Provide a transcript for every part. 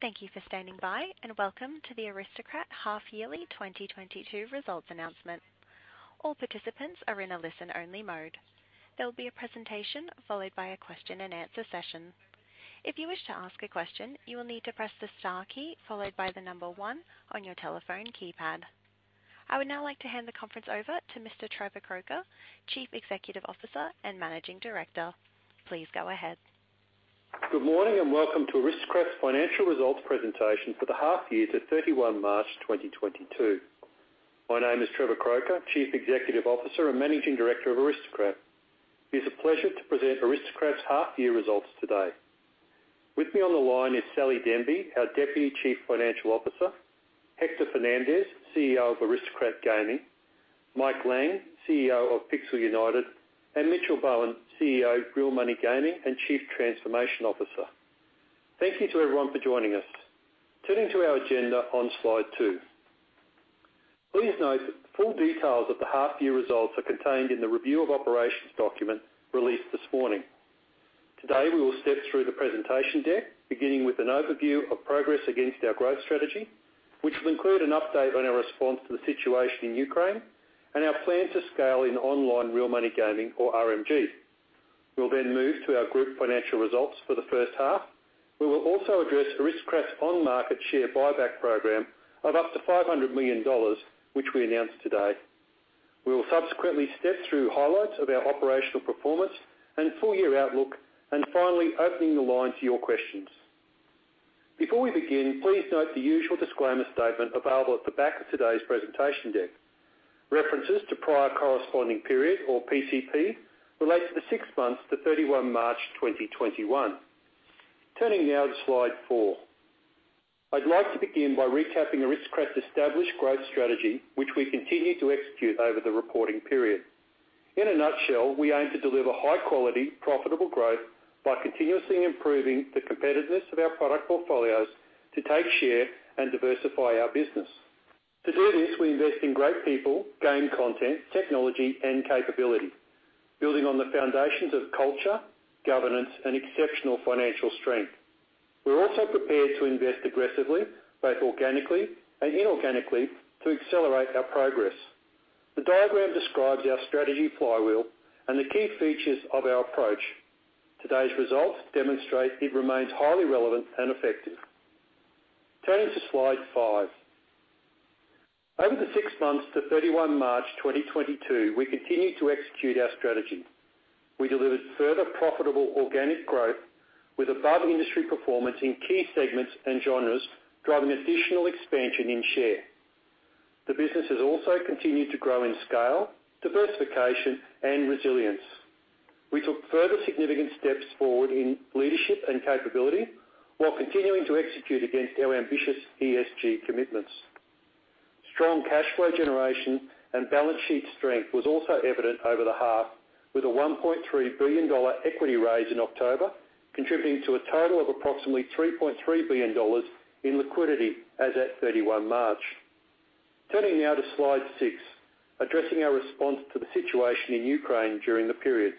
Thank you for standing by, and welcome to the Aristocrat half-yearly 2022 results announcement. All participants are in a listen-only mode. There will be a presentation followed by a question-and-answer session. If you wish to ask a question, you will need to press the Star key followed by the number one on your telephone keypad. I would now like to hand the conference over to Mr. Trevor Croker, Chief Executive Officer and Managing Director. Please go ahead. Good morning, and welcome to Aristocrat's financial results presentation for the half year to 31 March 2022. My name is Trevor Croker, Chief Executive Officer and Managing Director of Aristocrat. It is a pleasure to present Aristocrat's half year results today. With me on the line is Sally Denby, our Deputy Chief Financial Officer, Hector Fernandez, CEO of Aristocrat Gaming, Mike Lang, CEO of Pixel United, and Mitchell Bowen, CEO, Real Money Gaming and Chief Transformation Officer. Thank you to everyone for joining us. Turning to our agenda on slide two. Please note that the full details of the half year results are contained in the Review of Operations document released this morning. Today, we will step through the presentation deck, beginning with an overview of progress against our growth strategy, which will include an update on our response to the situation in Ukraine and our plan to scale in online real money gaming, or RMG. We'll then move to our group financial results for the first half. We will also address Aristocrat's on-market share buyback program of up to $500 million, which we announced today. We will subsequently step through highlights of our operational performance and full year outlook and finally opening the line to your questions. Before we begin, please note the usual disclaimer statement available at the back of today's presentation deck. References to prior corresponding period or PCP relate to the six months to 31 March 2021. Turning now to slide four. I'd like to begin by recapping Aristocrat's established growth strategy, which we continued to execute over the reporting period. In a nutshell, we aim to deliver high-quality, profitable growth by continuously improving the competitiveness of our product portfolios to take share and diversify our business. To do this, we invest in great people, game content, technology and capability, building on the foundations of culture, governance, and exceptional financial strength. We're also prepared to invest aggressively, both organically and inorganically, to accelerate our progress. The diagram describes our strategy flywheel and the key features of our approach. Today's results demonstrate it remains highly relevant and effective. Turning to slide five. Over the six months to 31 March 2022, we continued to execute our strategy. We delivered further profitable organic growth with above-industry performance in key segments and genres, driving additional expansion in share. The business has also continued to grow in scale, diversification, and resilience. We took further significant steps forward in leadership and capability while continuing to execute against our ambitious ESG commitments. Strong cash flow generation and balance sheet strength was also evident over the half, with an $1.3 billion equity raise in October, contributing to a total of approximately $3.3 billion in liquidity as at 31 March. Turning now to slide six, addressing our response to the situation in Ukraine during the period.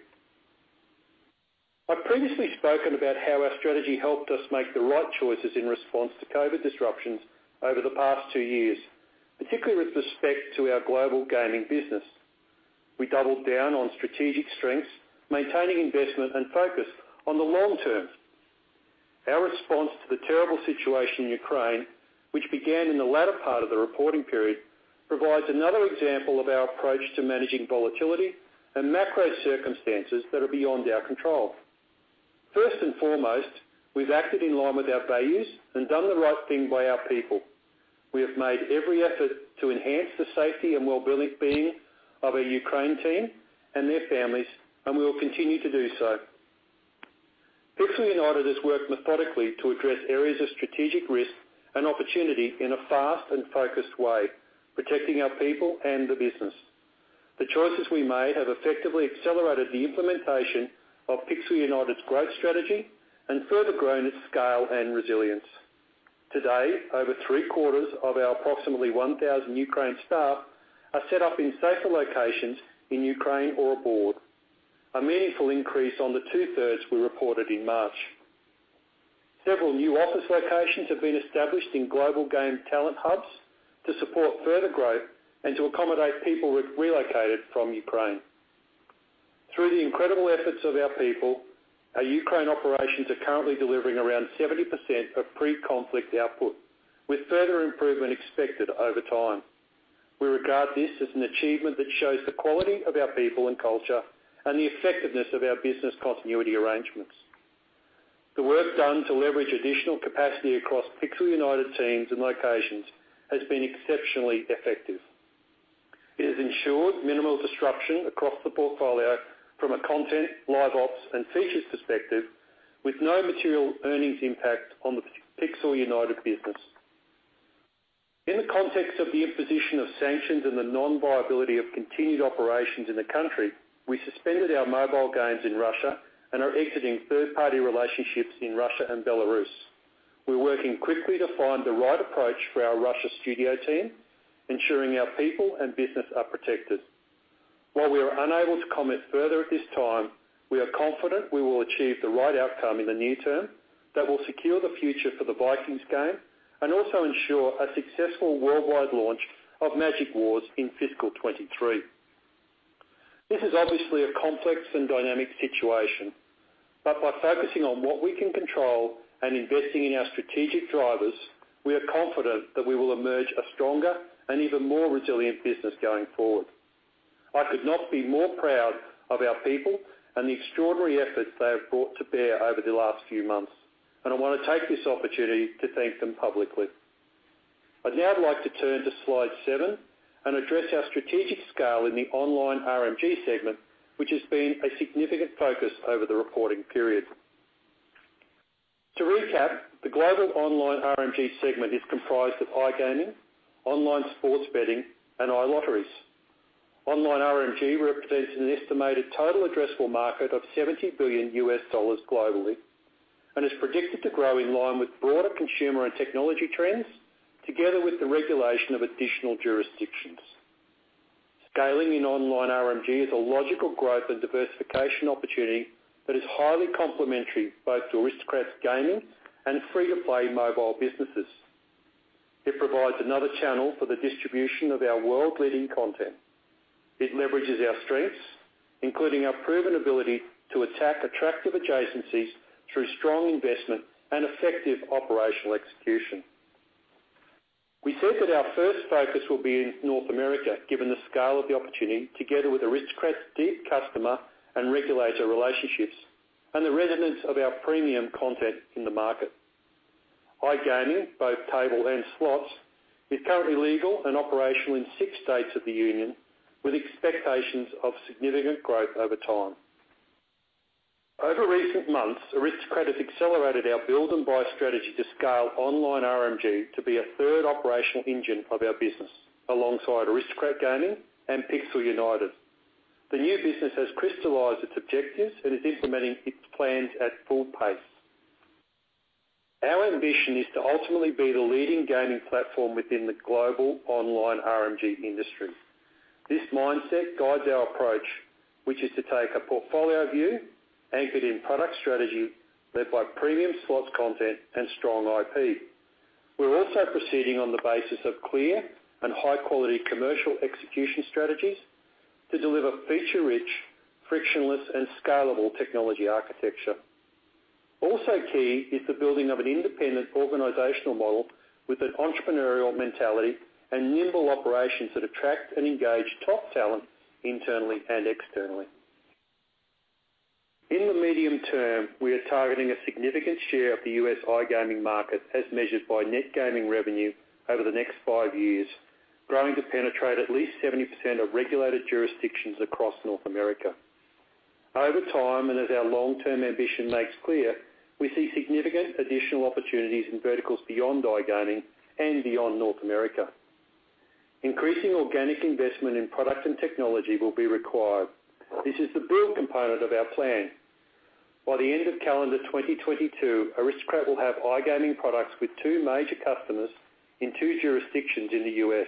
I've previously spoken about how our strategy helped us make the right choices in response to COVID disruptions over the past two years, particularly with respect to our global gaming business. We doubled down on strategic strengths, maintaining investment and focus on the long term. Our response to the terrible situation in Ukraine, which began in the latter part of the reporting period, provides another example of our approach to managing volatility and macro circumstances that are beyond our control. First and foremost, we've acted in line with our values and done the right thing by our people. We have made every effort to enhance the safety and wellbeing of our Ukraine team and their families, and we will continue to do so. Pixel United has worked methodically to address areas of strategic risk and opportunity in a fast and focused way, protecting our people and the business. The choices we made have effectively accelerated the implementation of Pixel United's growth strategy and further grown its scale and resilience. Today, over 3/4 of our approximately 1,000 Ukraine staff are set up in safer locations in Ukraine or abroad, a meaningful increase on the 2/3 we reported in March. Several new office locations have been established in global game talent hubs to support further growth and to accommodate people we've relocated from Ukraine. Through the incredible efforts of our people, our Ukraine operations are currently delivering around 70% of pre-conflict output, with further improvement expected over time. We regard this as an achievement that shows the quality of our people and culture and the effectiveness of our business continuity arrangements. The work done to leverage additional capacity across Pixel United teams and locations has been exceptionally effective. It has ensured minimal disruption across the portfolio from a content, live ops, and features perspective, with no material earnings impact on the Pixel United business. In the context of the imposition of sanctions and the non-viability of continued operations in the country, we suspended our mobile games in Russia and are exiting third-party relationships in Russia and Belarus. We're working quickly to find the right approach for our Russia studio team, ensuring our people and business are protected. While we are unable to comment further at this time, we are confident we will achieve the right outcome in the near term that will secure the future for the Vikings game and also ensure a successful worldwide launch of Magic Wars in fiscal 2023. This is obviously a complex and dynamic situation, but by focusing on what we can control and investing in our strategic drivers, we are confident that we will emerge a stronger and even more resilient business going forward. I could not be more proud of our people and the extraordinary efforts they have brought to bear over the last few months, and I wanna take this opportunity to thank them publicly. I'd now like to turn to slide seven and address our strategic scale in the online RMG segment, which has been a significant focus over the reporting period. To recap, the global online RMG segment is comprised of iGaming, online sports betting, and iLotteries. Online RMG represents an estimated total addressable market of $70 billion globally and is predicted to grow in line with broader consumer and technology trends together with the regulation of additional jurisdictions. Scaling in online RMG is a logical growth and diversification opportunity that is highly complementary both to Aristocrat's gaming and free-to-play mobile businesses. It provides another channel for the distribution of our world-leading content. It leverages our strengths, including our proven ability to attack attractive adjacencies through strong investment and effective operational execution. We said that our first focus will be in North America, given the scale of the opportunity together with Aristocrat's deep customer and regulator relationships and the resonance of our premium content in the market. iGaming, both table and slots, is currently legal and operational in six states of the union, with expectations of significant growth over time. Over recent months, Aristocrat has accelerated our build and buy strategy to scale online RMG to be a third operational engine of our business, alongside Aristocrat Gaming and Pixel United. The new business has crystallized its objectives and is implementing its plans at full pace. Our ambition is to ultimately be the leading gaming platform within the global online RMG industry. This mindset guides our approach, which is to take a portfolio view anchored in product strategy led by premium slots content and strong IP. We're also proceeding on the basis of clear and high-quality commercial execution strategies to deliver feature-rich, frictionless, and scalable technology architecture. Also key is the building of an independent organizational model with an entrepreneurial mentality and nimble operations that attract and engage top talent internally and externally. In the medium term, we are targeting a significant share of the U.S. iGaming market as measured by net gaming revenue over the next five years, growing to penetrate at least 70% of regulated jurisdictions across North America. Over time, and as our long-term ambition makes clear, we see significant additional opportunities in verticals beyond iGaming and beyond North America. Increasing organic investment in product and technology will be required. This is the build component of our plan. By the end of calendar 2022, Aristocrat will have iGaming products with two major customers in two jurisdictions in the U.S.,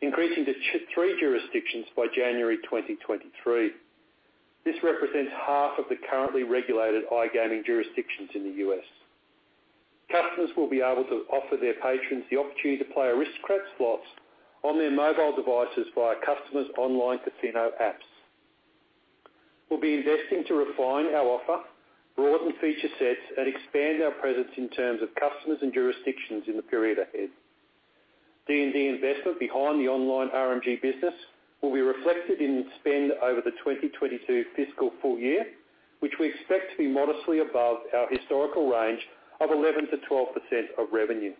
increasing to three jurisdictions by January 2023. This represents half of the currently regulated iGaming jurisdictions in the U.S. Customers will be able to offer their patrons the opportunity to play Aristocrat slots on their mobile devices via customers' online casino apps. We'll be investing to refine our offer, broaden feature sets, and expand our presence in terms of customers and jurisdictions in the period ahead. D&D investment behind the online RMG business will be reflected in spend over the 2022 fiscal full year, which we expect to be modestly above our historical range of 11%-12% of revenue.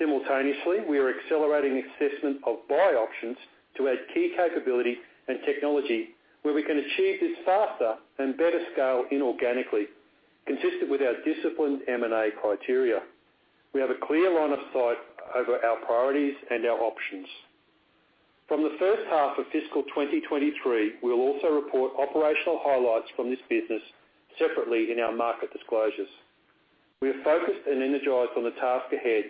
Simultaneously, we are accelerating assessment of buy options to add key capability and technology where we can achieve this faster and better scale inorganically, consistent with our disciplined M&A criteria. We have a clear line of sight over our priorities and our options. From the first half of fiscal 2023, we'll also report operational highlights from this business separately in our market disclosures. We are focused and energized on the task ahead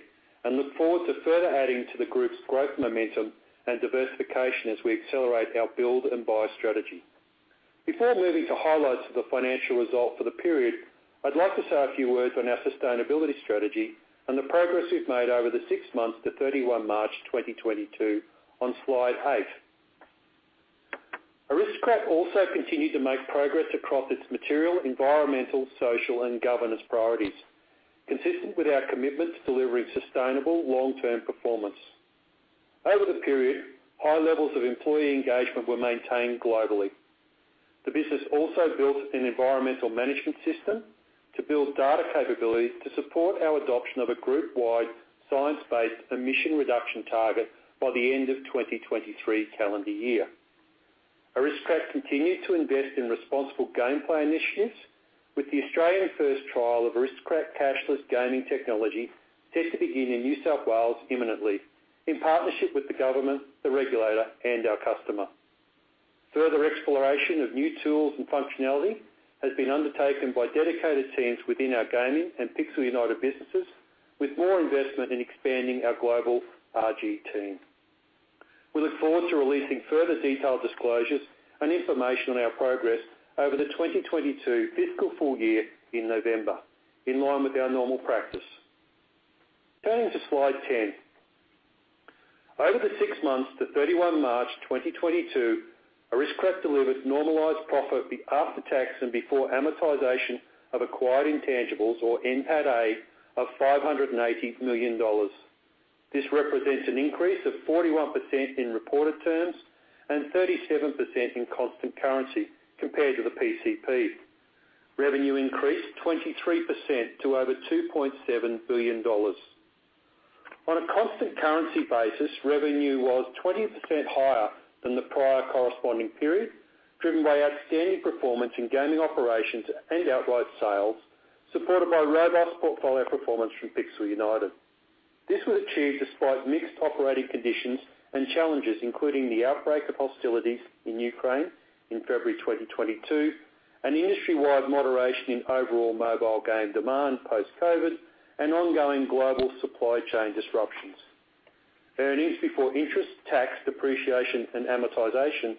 and look forward to further adding to the group's growth momentum and diversification as we accelerate our build and buy strategy. Before moving to highlights of the financial result for the period, I'd like to say a few words on our sustainability strategy and the progress we've made over the six months to 31 March 2022 on slide eight. Aristocrat also continued to make progress across its material environmental, social, and governance priorities, consistent with our commitment to delivering sustainable long-term performance. Over the period, high levels of employee engagement were maintained globally. The business also built an environmental management system to build data capabilities to support our adoption of a groupwide science-based emission reduction target by the end of 2023 calendar year. Aristocrat continued to invest in responsible gameplay initiatives with the Australian first trial of Aristocrat cashless gaming technology set to begin in New South Wales imminently in partnership with the government, the regulator, and our customer. Further exploration of new tools and functionality has been undertaken by dedicated teams within our gaming and Pixel United businesses, with more investment in expanding our global RG team. We look forward to releasing further detailed disclosures and information on our progress over the 2022 fiscal full year in November, in line with our normal practice. Turning to slide 10. Over the six months to 31 March 2022, Aristocrat delivered normalized profit after tax and before amortization of acquired intangible or NPATA of $580 million. This represents an increase of 41% in reported terms and 37% in constant currency compared to the PCP. Revenue increased 23% to over $2.7 billion. On a constant currency basis, revenue was 20% higher than the prior corresponding period, driven by outstanding performance in gaming operations and outright sales, supported by robust portfolio performance from Pixel United. This was achieved despite mixed operating conditions and challenges, including the outbreak of hostilities in Ukraine in February 2022, an industry-wide moderation in overall mobile game demand post-COVID, and ongoing global supply chain disruptions. Earnings before interest, tax, depreciation, and amortization,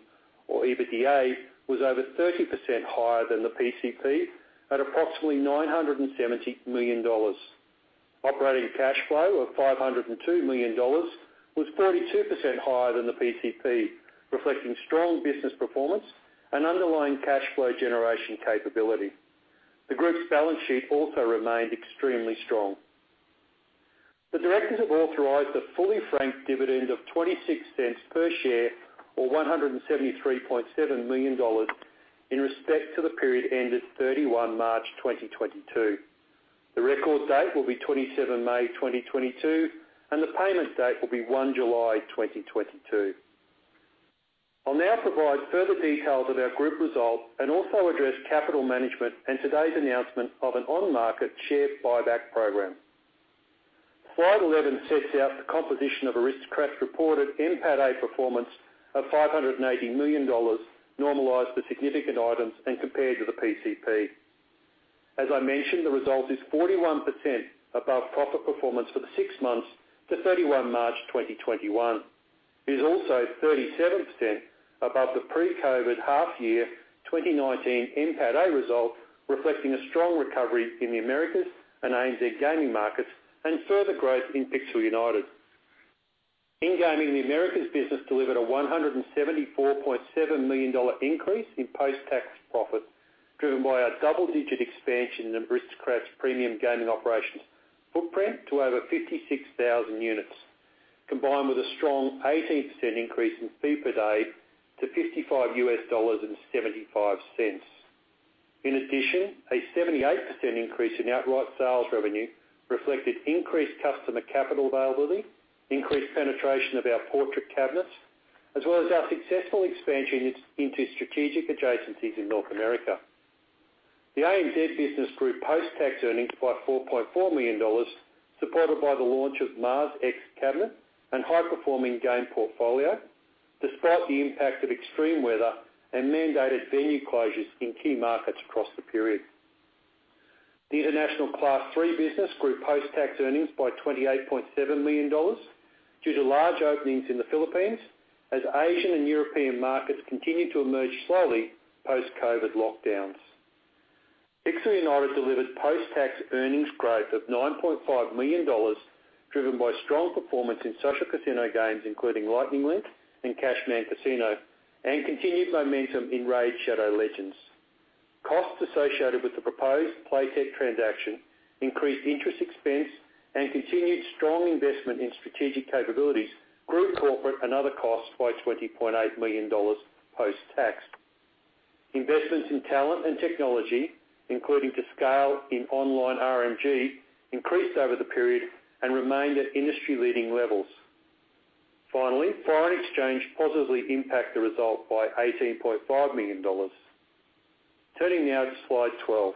or EBITDA, was over 30% higher than the PCP at approximately $970 million. Operating cash flow of $502 million was 42% higher than the PCP, reflecting strong business performance and underlying cash flow generation capability. The group's balance sheet also remained extremely strong. The directors have authorized a fully franked dividend of $0.26 per share or $173.7 million in respect to the period ended 31 March 2022. The record date will be 27 May 2022, and the payment date will be 1 July 2022. I'll now provide further details of our group results and also address capital management and today's announcement of an on-market share buyback program. Slide 11 sets out the composition of Aristocrat's reported NPATA performance of $580 million, normalized for significant items and compared to the PCP. As I mentioned, the result is 41% above profit performance for the six months to 31 March 2021. It is also 37% above the pre-COVID half year 2019 NPATA result, reflecting a strong recovery in the Americas and ANZ gaming markets, and further growth in Pixel United. In gaming, the Americas business delivered a $174.7 million increase in post-tax profits, driven by our double-digit expansion in Aristocrat's premium gaming operations footprint to over 56,000 units, combined with a strong 18% increase in fee per day to $55.75. In addition, a 78% increase in outright sales revenue reflected increased customer capital availability, increased penetration of our portrait cabinets, as well as our successful expansion into strategic adjacencies in North America. The ANZ business grew post-tax earnings by $4.4 million, supported by the launch of MarsX cabinet and high-performing game portfolio, despite the impact of extreme weather and mandated venue closures in key markets across the period. The international Class III business grew post-tax earnings by $28.7 million due to large openings in the Philippines as Asian and European markets continue to emerge slowly post-COVID lockdowns. Pixel United delivered post-tax earnings growth of $9.5 million, driven by strong performance in social casino games, including Lightning Link and Cashman Casino, and continued momentum in RAID: Shadow Legends. Costs associated with the proposed Playtech transaction, increased interest expense, and continued strong investment in strategic capabilities grew corporate and other costs by $20.8 million post-tax. Investments in talent and technology, including to scale in online RMG, increased over the period and remained at industry-leading levels. Finally, foreign exchange positively impacted the result by $18.5 million. Turning now to slide 12.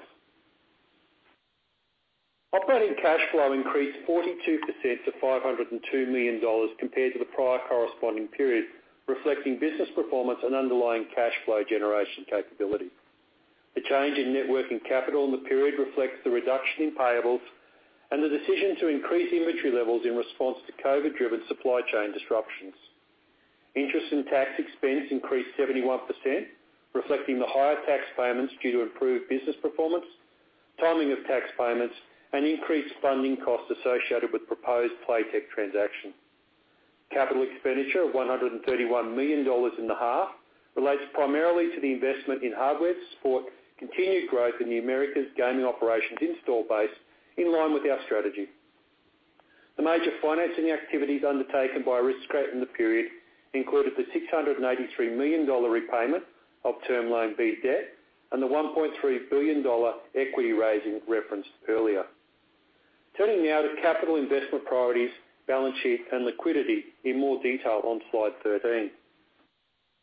Operating cash flow increased 42% to $502 million compared to the prior corresponding period, reflecting business performance and underlying cash flow generation capability. The change in net working capital in the period reflects the reduction in payables and the decision to increase inventory levels in response to COVID-driven supply chain disruptions. Interest and tax expense increased 71%, reflecting the higher tax payments due to improved business performance, timing of tax payments, and increased funding costs associated with proposed Playtech transaction. Capital expenditure of $131 million in the half relates primarily to the investment in hardware to support continued growth in the Americas gaming operations install base in line with our strategy. The major financing activities undertaken by Aristocrat in the period included the $683 million repayment of Term Loan B debt and the $1.3 billion equity raising referenced earlier. Turning now to capital investment priorities, balance sheet, and liquidity in more detail on slide 13.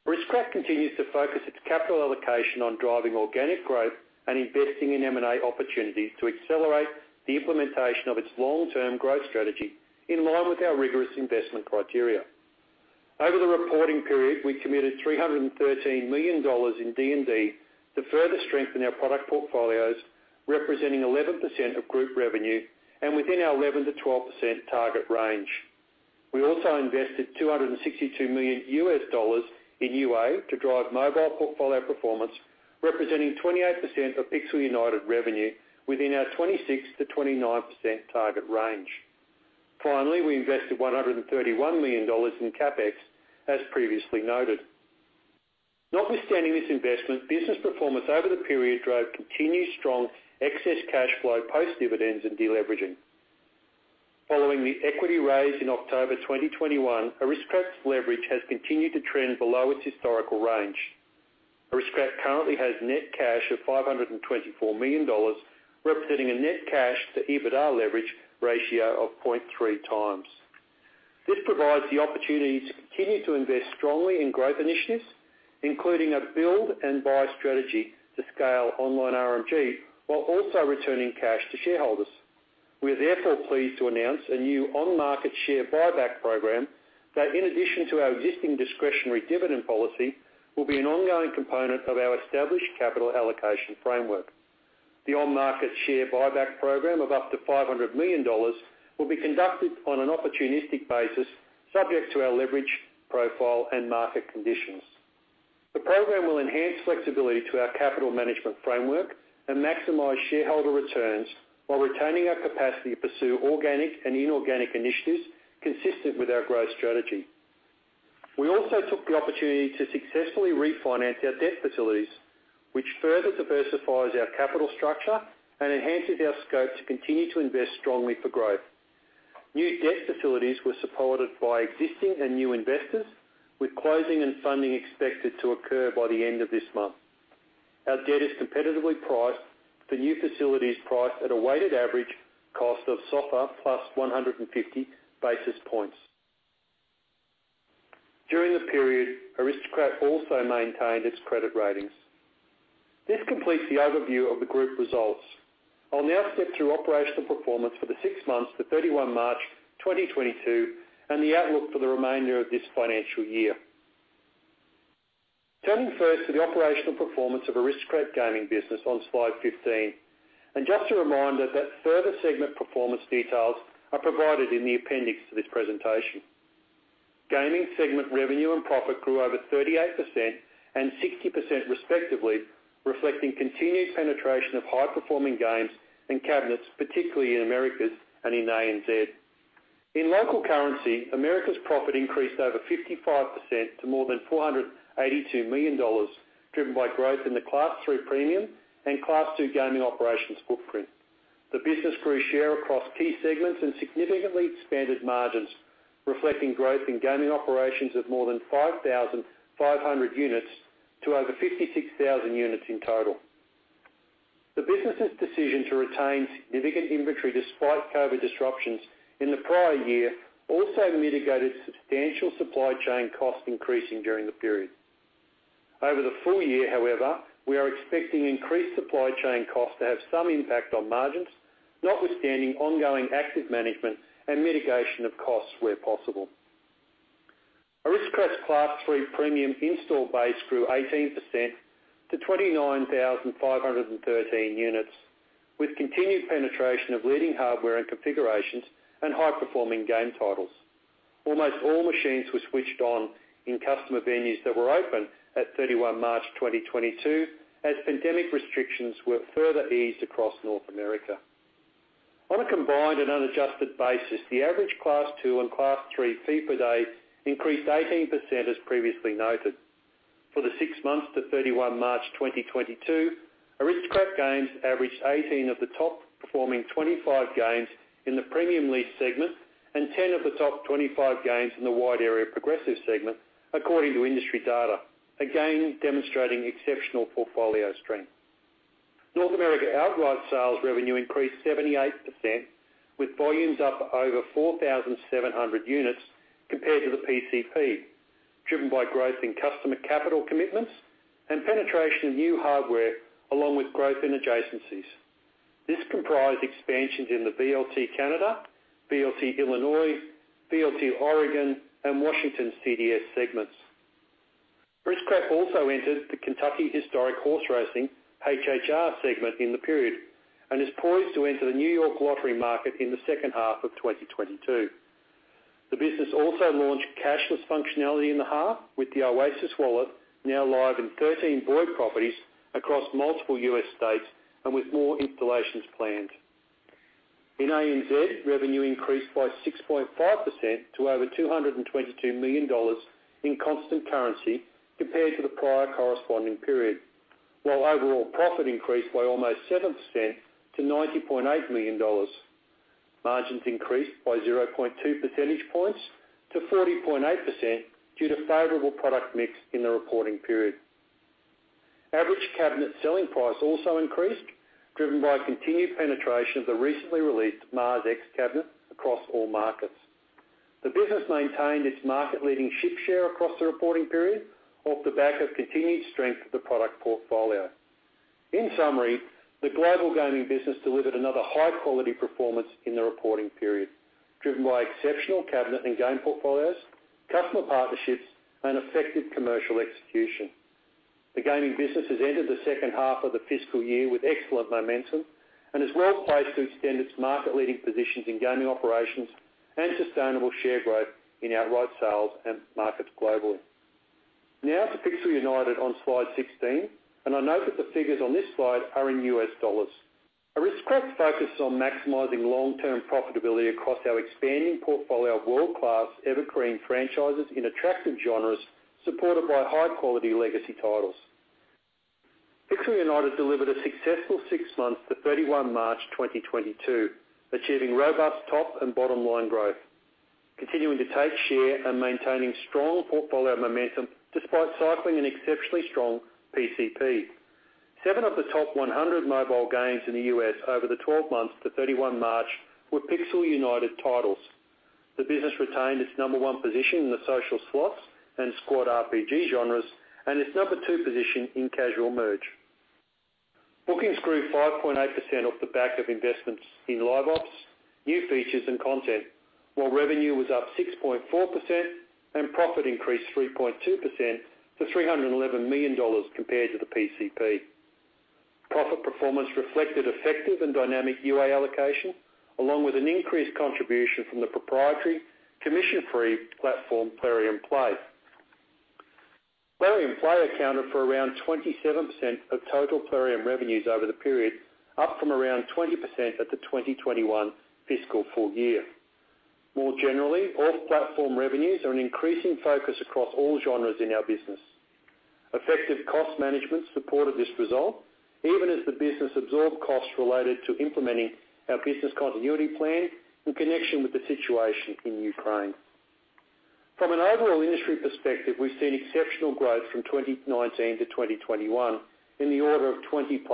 Aristocrat continues to focus its capital allocation on driving organic growth and investing in M&A opportunities to accelerate the implementation of its long-term growth strategy in line with our rigorous investment criteria. Over the reporting period, we committed $313 million in D&D to further strengthen our product portfolios, representing 11% of group revenue and within our 11%-12% target range. We also invested $262 million in UA to drive mobile portfolio performance, representing 28% of Pixel United revenue within our 26%-29% target range. Finally, we invested $131 million in CapEx, as previously noted. Notwithstanding this investment, business performance over the period drove continued strong excess cash flow post dividends and deleveraging. Following the equity raise in October 2021, Aristocrat's leverage has continued to trend below its historical range. Aristocrat currently has net cash of $524 million, representing a net cash to EBITDA leverage ratio of 0.3x. This provides the opportunity to continue to invest strongly in growth initiatives, including a build and buy strategy to scale online RMG, while also returning cash to shareholders. We are therefore pleased to announce a new on-market share buyback program that, in addition to our existing discretionary dividend policy, will be an ongoing component of our established capital allocation framework. The on-market share buyback program of up to $500 million will be conducted on an opportunistic basis, subject to our leverage profile and market conditions. The program will enhance flexibility to our capital management framework and maximize shareholder returns while retaining our capacity to pursue organic and inorganic initiatives consistent with our growth strategy. We also took the opportunity to successfully refinance our debt facilities, which further diversifies our capital structure and enhances our scope to continue to invest strongly for growth. New debt facilities were supported by existing and new investors, with closing and funding expected to occur by the end of this month. Our debt is competitively priced, with the new facilities priced at a weighted average cost of SOFR plus 150 basis points. During the period, Aristocrat also maintained its credit ratings. This completes the overview of the group results. I'll now step through operational performance for the six months to 31 March 2022 and the outlook for the remainder of this financial year. Turning first to the operational performance of Aristocrat Gaming business on slide 15. Just a reminder that further segment performance details are provided in the appendix to this presentation. Gaming segment revenue and profit grew over 38% and 60% respectively, reflecting continued penetration of high-performing games and cabinets, particularly in Americas and in ANZ. In local currency, Americas profit increased over 55% to more than $482 million, driven by growth in the Class III premium and Class II gaming operations footprint. The business grew share across key segments and significantly expanded margins, reflecting growth in gaming operations of more than 5,500 units to over 56,000 units in total. The business's decision to retain significant inventory despite COVID disruptions in the prior year also mitigated substantial supply chain costs increasing during the period. Over the full year, however, we are expecting increased supply chain costs to have some impact on margins, notwithstanding ongoing active management and mitigation of costs where possible. Aristocrat's Class III premium install base grew 18% to 29,513 units, with continued penetration of leading hardware and configurations and high-performing game titles. Almost all machines were switched on in customer venues that were open at 31 March 2022, as pandemic restrictions were further eased across North America. On a combined and unadjusted basis, the average Class II and Class III fee per day increased 18%, as previously noted. For the six months to 31 March 2022, Aristocrat Gaming averaged 18 of the top performing 25 games in the premium lease segment, and 10 of the top 25 games in the wide area progressive segment, according to industry data, again demonstrating exceptional portfolio strength. North America outright sales revenue increased 78%, with volumes up over 4,700 units compared to the PCP, driven by growth in customer capital commitments and penetration of new hardware along with growth in adjacencies. This comprised expansions in the VLT Canada, VLT Illinois, VLT Oregon, and Washington CDS segments. Aristocrat also entered the Kentucky Historic Horse Racing, HHR segment in the period, and is poised to enter the New York Lottery market in the second half of 2022. The business also launched cashless functionality in the half, with the Oasis wallet now live in 13 Boyd properties across multiple U.S. states and with more installations planned. In ANZ, revenue increased by 6.5% to over $ 222 million in constant currency compared to the prior corresponding period, while overall profit increased by almost 7% to $90.8 million. Margins increased by 0.2 percentage points to 40.8% due to favorable product mix in the reporting period. Average cabinet selling price also increased, driven by continued penetration of the recently released MarsX cabinet across all markets. The business maintained its market-leading ship share across the reporting period off the back of continued strength of the product portfolio. In summary, the global gaming business delivered another high-quality performance in the reporting period, driven by exceptional cabinet and game portfolios, customer partnerships, and effective commercial execution. The gaming business has entered the second half of the fiscal year with excellent momentum and is well-placed to extend its market-leading positions in gaming operations and sustainable share growth in outright sales and markets globally. Now to Pixel United on slide 16, and I note that the figures on this slide are in US dollars. Our risk-adjusted focus is on maximizing long-term profitability across our expanding portfolio of world-class evergreen franchises in attractive genres, supported by high-quality legacy titles. Pixel United delivered a successful six months to 31 March 2022, achieving robust top and bottom line growth, continuing to take share and maintaining strong portfolio momentum despite cycling an exceptionally strong PCP. Seven of the top 100 mobile games in the U.S. over the 12 months to 31 March were Pixel United titles. The business retained its number one position in the social slots and squad RPG genres, and its number two position in casual merge. Bookings grew 5.8% off the back of investments in live ops, new features, and content. While revenue was up 6.4% and profit increased 3.2% to $311 million compared to the PCP. Profit performance reflected effective and dynamic UA allocation, along with an increased contribution from the proprietary commission-free platform Plarium Play. Plarium Play accounted for around 27% of total Plarium revenues over the period, up from around 20% at the 2021 fiscal full year. More generally, all platform revenues are an increasing focus across all genres in our business. Effective cost management supported this result, even as the business absorbed costs related to implementing our business continuity plan in connection with the situation in Ukraine. From an overall industry perspective, we've seen exceptional growth from 2019-2021 in the order of 20%+.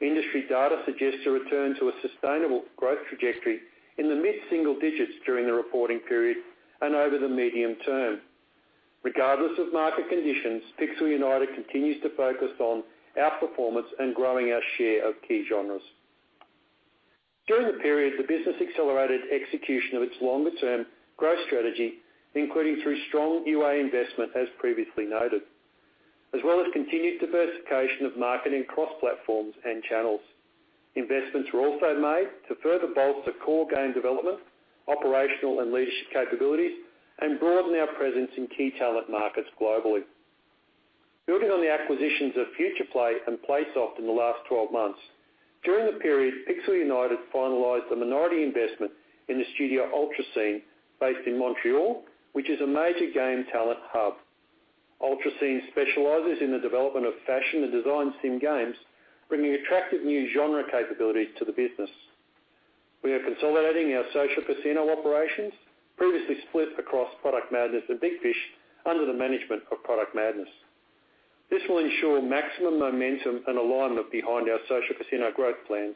Industry data suggests a return to a sustainable growth trajectory in the mid-single digits during the reporting period and over the medium term. Regardless of market conditions, Pixel United continues to focus on our performance and growing our share of key genres. During the period, the business accelerated execution of its longer-term growth strategy, including through strong UA investment as previously noted, as well as continued diversification of marketing across platforms and channels. Investments were also made to further bolster core game development, operational and leadership capabilities, and broaden our presence in key talent markets globally. Building on the acquisitions of Futureplay and Playsoft in the last 12 months, during the period, Pixel United finalized a minority investment in the studio Ultracine, based in Montreal, which is a major game talent hub. Ultracine specializes in the development of fashion and design sim games, bringing attractive new genre capabilities to the business. We are consolidating our social casino operations, previously split across Product Madness and Big Fish under the management of Product Madness. This will ensure maximum momentum and alignment behind our social casino growth plans.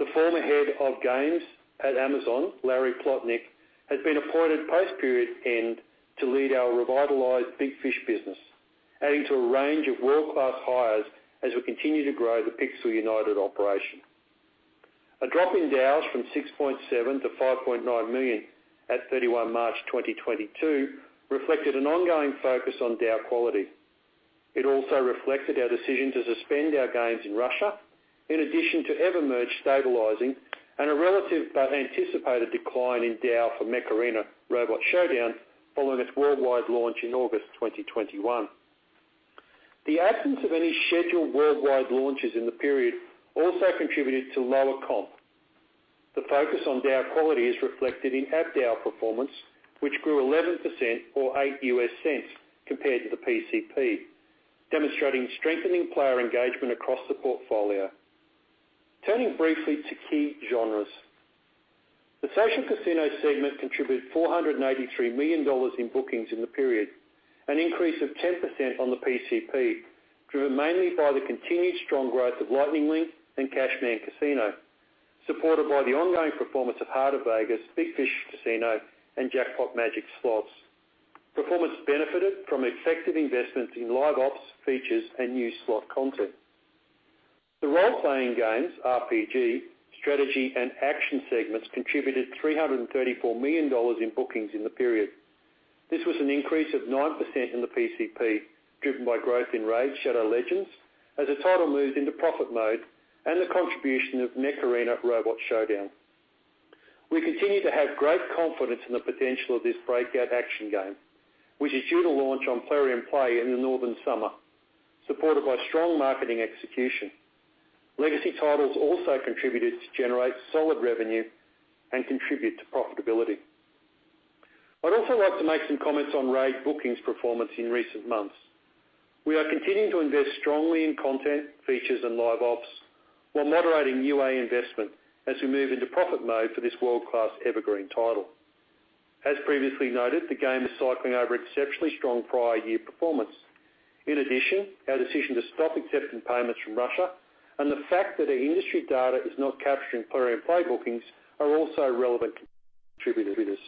The former head of games at Amazon, Larry Plotnick, has been appointed post-period end to lead our revitalized Big Fish business, adding to a range of world-class hires as we continue to grow the Pixel United operation. A drop in DAUs from 6.7 million-5.9 million at 31 March 2022 reflected an ongoing focus on DAU quality. It also reflected our decision to suspend our games in Russia, in addition to EverMerge stabilizing and a relative but anticipated decline in DAU for Mech Arena: Robot Showdown following its worldwide launch in August 2021. The absence of any scheduled worldwide launches in the period also contributed to lower comp. The focus on DAU quality is reflected in ARPDAU performance, which grew 11% or $0.08 compared to the PCP, demonstrating strengthening player engagement across the portfolio. Turning briefly to key genres. The social casino segment contributed $483 million in bookings in the period, an increase of 10% on the PCP, driven mainly by the continued strong growth of Lightning Link and Cashman Casino, supported by the ongoing performance of Heart of Vegas, Big Fish Casino, and Jackpot Magic Slots. Performance benefited from effective investments in live ops, features, and new slot content. The role-playing games, RPG, strategy and action segments contributed $334 million in bookings in the period. This was an increase of 9% in the PCP, driven by growth in RAID: Shadow Legends as the title moves into profit mode and the contribution of Mech Arena: Robot Showdown. We continue to have great confidence in the potential of this breakout action game, which is due to launch on Plarium Play in the northern summer, supported by strong marketing execution. Legacy titles also contributed to generate solid revenue and contribute to profitability. I'd also like to make some comments on RAID bookings performance in recent months. We are continuing to invest strongly in content, features, and live ops while moderating UA investment as we move into profit mode for this world-class evergreen title. As previously noted, the game is cycling over exceptionally strong prior year performance. In addition, our decision to stop accepting payments from Russia and the fact that our industry data is not capturing Plarium Play bookings are also relevant contributors.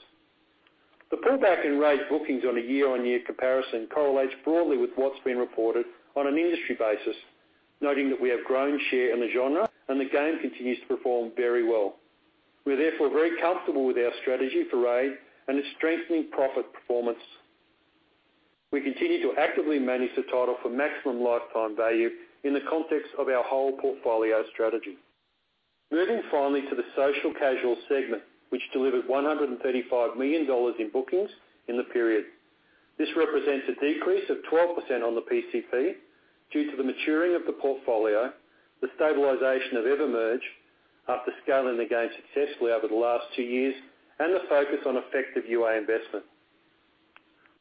The pullback in RAID bookings on a year-on-year comparison correlates broadly with what's been reported on an industry basis, noting that we have grown share in the genre and the game continues to perform very well. We are therefore very comfortable with our strategy for RAID and its strengthening profit performance. We continue to actively manage the title for maximum lifetime value in the context of our whole portfolio strategy. Moving finally to the social casual segment, which delivered $135 million in bookings in the period. This represents a decrease of 12% on the PCP due to the maturing of the portfolio, the stabilization of EverMerge after scaling the game successfully over the last two years, and the focus on effective UA investment.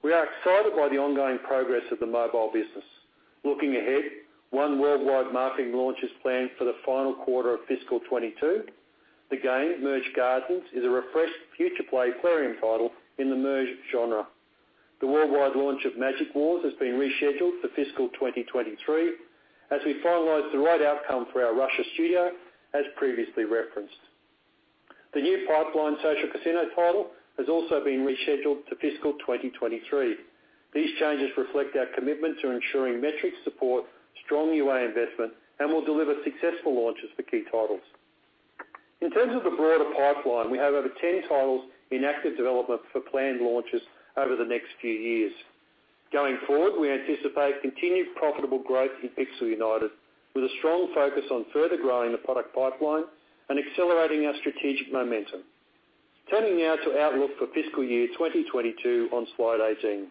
We are excited by the ongoing progress of the mobile business. Looking ahead, one worldwide marketing launch is planned for the final quarter of fiscal 2022. The game, Merge Gardens, is a refreshed Futureplay aquarium title in the Merge genre. The worldwide launch of Magic Wars has been rescheduled to fiscal 2023 as we finalize the right outcome for our Russia studio, as previously referenced. The new pipeline social casino title has also been rescheduled to fiscal 2023. These changes reflect our commitment to ensuring metrics support, strong UA investment, and will deliver successful launches for key titles. In terms of the broader pipeline, we have over 10 titles in active development for planned launches over the next few years. Going forward, we anticipate continued profitable growth in Pixel United, with a strong focus on further growing the product pipeline and accelerating our strategic momentum. Turning now to outlook for fiscal year 2022 on slide 18.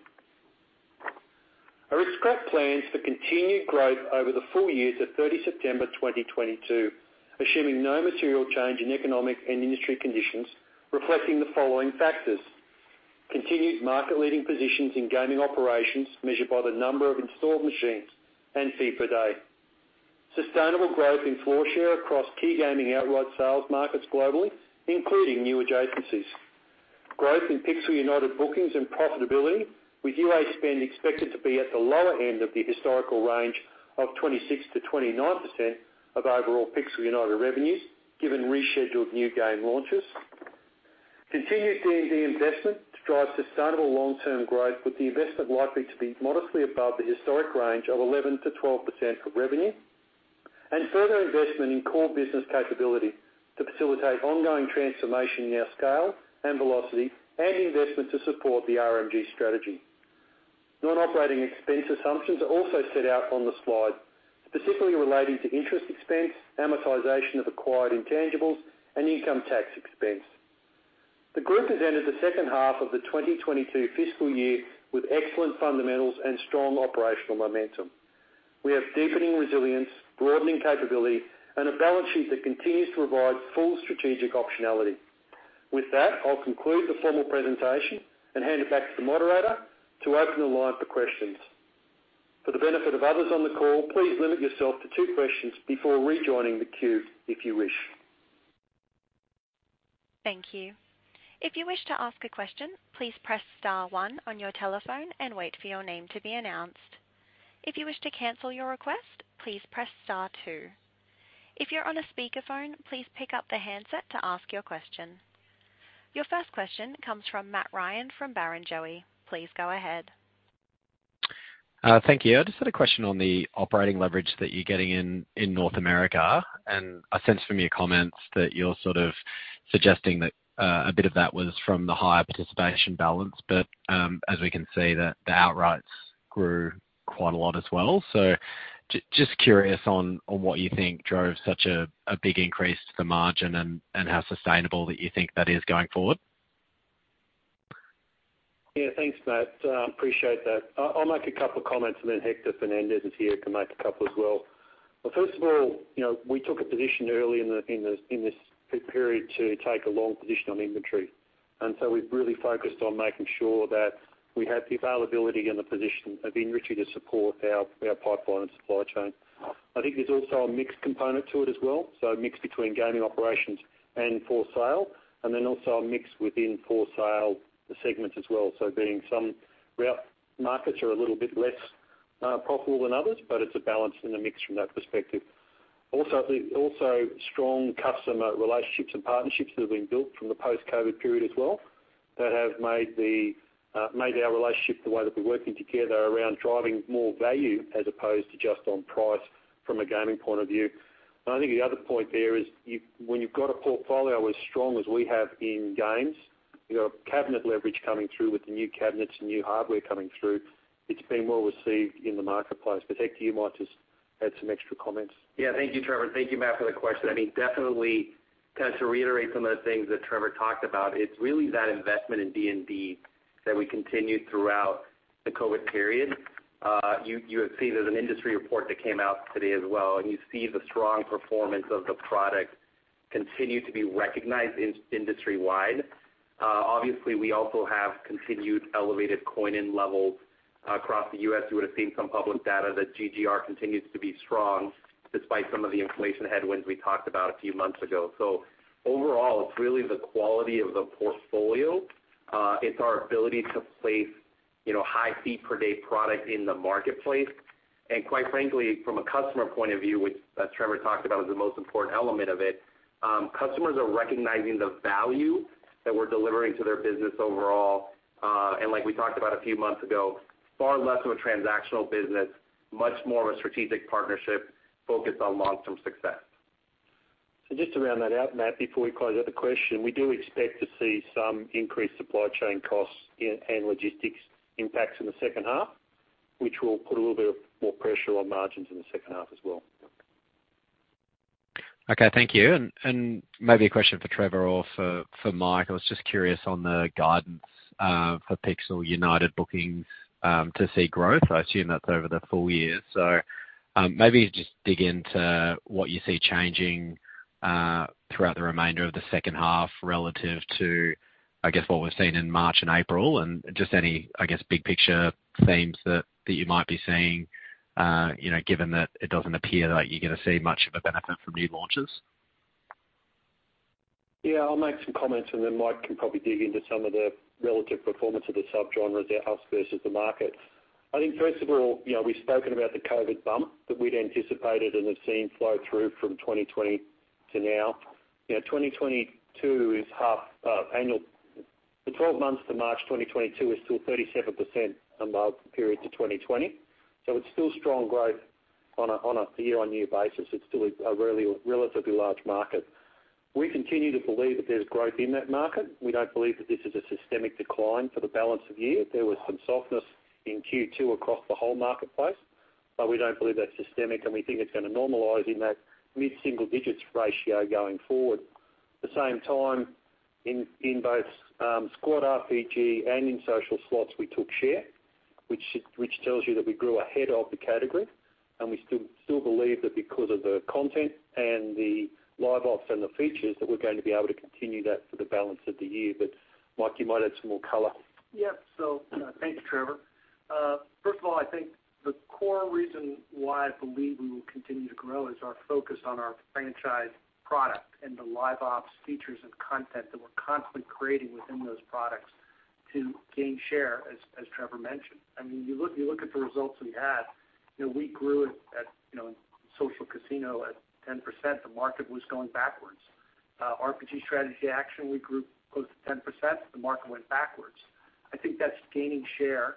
Aristocrat plans for continued growth over the full year ending 30 September 2022, assuming no material change in economic and industry conditions, reflecting the following factors. Continued market-leading positions in gaming operations measured by the number of installed machines and fee per day. Sustainable growth in floor share across key gaming outright sales markets globally, including new adjacencies. Growth in Pixel United bookings and profitability, with UA spend expected to be at the lower end of the historical range of 26%-29% of overall Pixel United revenues, given rescheduled new game launches. Continued D&D investment to drive sustainable long-term growth, with the investment likely to be modestly above the historic range of 11%-12% of revenue. Further investment in core business capability to facilitate ongoing transformation in our scale and velocity, and investment to support the RMG strategy. Non-operating expense assumptions are also set out on the slide, specifically relating to interest expense, amortization of acquired intangibles, and income tax expense. The group has entered the second half of the 2022 fiscal year with excellent fundamentals and strong operational momentum. We have deepening resilience, broadening capability, and a balance sheet that continues to provide full strategic optionality. With that, I'll conclude the formal presentation and hand it back to the moderator to open the line for questions. For the benefit of others on the call, please limit yourself to two questions before rejoining the queue if you wish. Thank you. If you wish to ask a question, please press star one on your telephone and wait for your name to be announced. If you wish to cancel your request, please press star two. If you're on a speakerphone, please pick up the handset to ask your question. Your first question comes from Matt Ryan from Barrenjoey. Please go ahead. Thank you. I just had a question on the operating leverage that you're getting in North America, and I sense from your comments that you're sort of suggesting that a bit of that was from the higher participation balance. As we can see, the outrights grew quite a lot as well. Just curious on what you think drove such a big increase to the margin, and how sustainable you think that is going forward? Yeah. Thanks, Matt. Appreciate that. I'll make a couple of comments and then Hector Fernandez, who's here, can make a couple as well. Well, first of all, you know, we took a position early in this period to take a long position on inventory, and so we've really focused on making sure that we have the availability and the position of inventory to support our pipeline and supply chain. I think there's also a mixed component to it as well, so a mix between gaming operations and for sale, and then also a mix within for sale segments as well. Some route markets are a little bit less profitable than others, but it's a balance in the mix from that perspective. Strong customer relationships and partnerships that have been built from the post-COVID period as well that have made our relationship the way that we're working together around driving more value as opposed to just on price from a gaming point of view. I think the other point there is when you've got a portfolio as strong as we have in games, you've got cabinet leverage coming through with the new cabinets and new hardware coming through, it's been well received in the marketplace. Hector, you might just add some extra comments. Yeah. Thank you, Trevor. Thank you, Matt, for the question. I mean, definitely, kind of to reiterate some of the things that Trevor talked about, it's really that investment in D&D that we continued throughout the COVID period. You have seen there's an industry report that came out today as well, and you see the strong performance of the product continue to be recognized industry-wide. Obviously, we also have continued elevated coin-in levels across the U.S. You would've seen some public data that GGR continues to be strong despite some of the inflation headwinds we talked about a few months ago. Overall, it's really the quality of the portfolio. It's our ability to place You know, high fee per day product in the marketplace. Quite frankly, from a customer point of view, which Trevor talked about was the most important element of it, customers are recognizing the value that we're delivering to their business overall. Like we talked about a few months ago, far less of a transactional business, much more of a strategic partnership focused on long-term success. Just to round that out, Matt, before we close out the question, we do expect to see some increased supply chain costs and logistics impacts in the second half, which will put a little bit of more pressure on margins in the second half as well. Okay, thank you. Maybe a question for Trevor or for Mike. I was just curious on the guidance for Pixel United bookings to see growth. I assume that's over the full year. Maybe just dig into what you see changing throughout the remainder of the second half relative to, I guess, what we've seen in March and April and just any, I guess, big picture themes that you might be seeing, you know, given that it doesn't appear like you're going to see much of a benefit from new launches. Yeah, I'll make some comments, and then Mike can probably dig into some of the relative performance of the subgenres, our house versus the market. I think first of all, you know, we've spoken about the COVID bump that we'd anticipated and have seen flow through from 2020 to now. You know, 2022 is half the 12 months to March 2022 is still 37% above the period to 2020, so it's still strong growth on a year-on-year basis. It's still a really relatively large market. We continue to believe that there's growth in that market. We don't believe that this is a systemic decline for the balance of the year. There was some softness in Q2 across the whole marketplace, but we don't believe that's systemic, and we think it's going to normalize in that mid-single digits ratio going forward. At the same time, in both squad RPG and in social slots, we took share, which tells you that we grew ahead of the category, and we still believe that because of the content and the live ops and the features, that we're going to be able to continue that for the balance of the year. But Mike, you might add some more color. Yeah. Thank you, Trevor. First of all, I think the core reason why I believe we will continue to grow is our focus on our franchise product and the live ops features and content that we're constantly creating within those products to gain share, as Trevor mentioned. I mean, you look at the results we had, you know, we grew at you know social casino at 10%, the market was going backwards. RPG strategy action, we grew close to 10%, the market went backwards. I think that's gaining share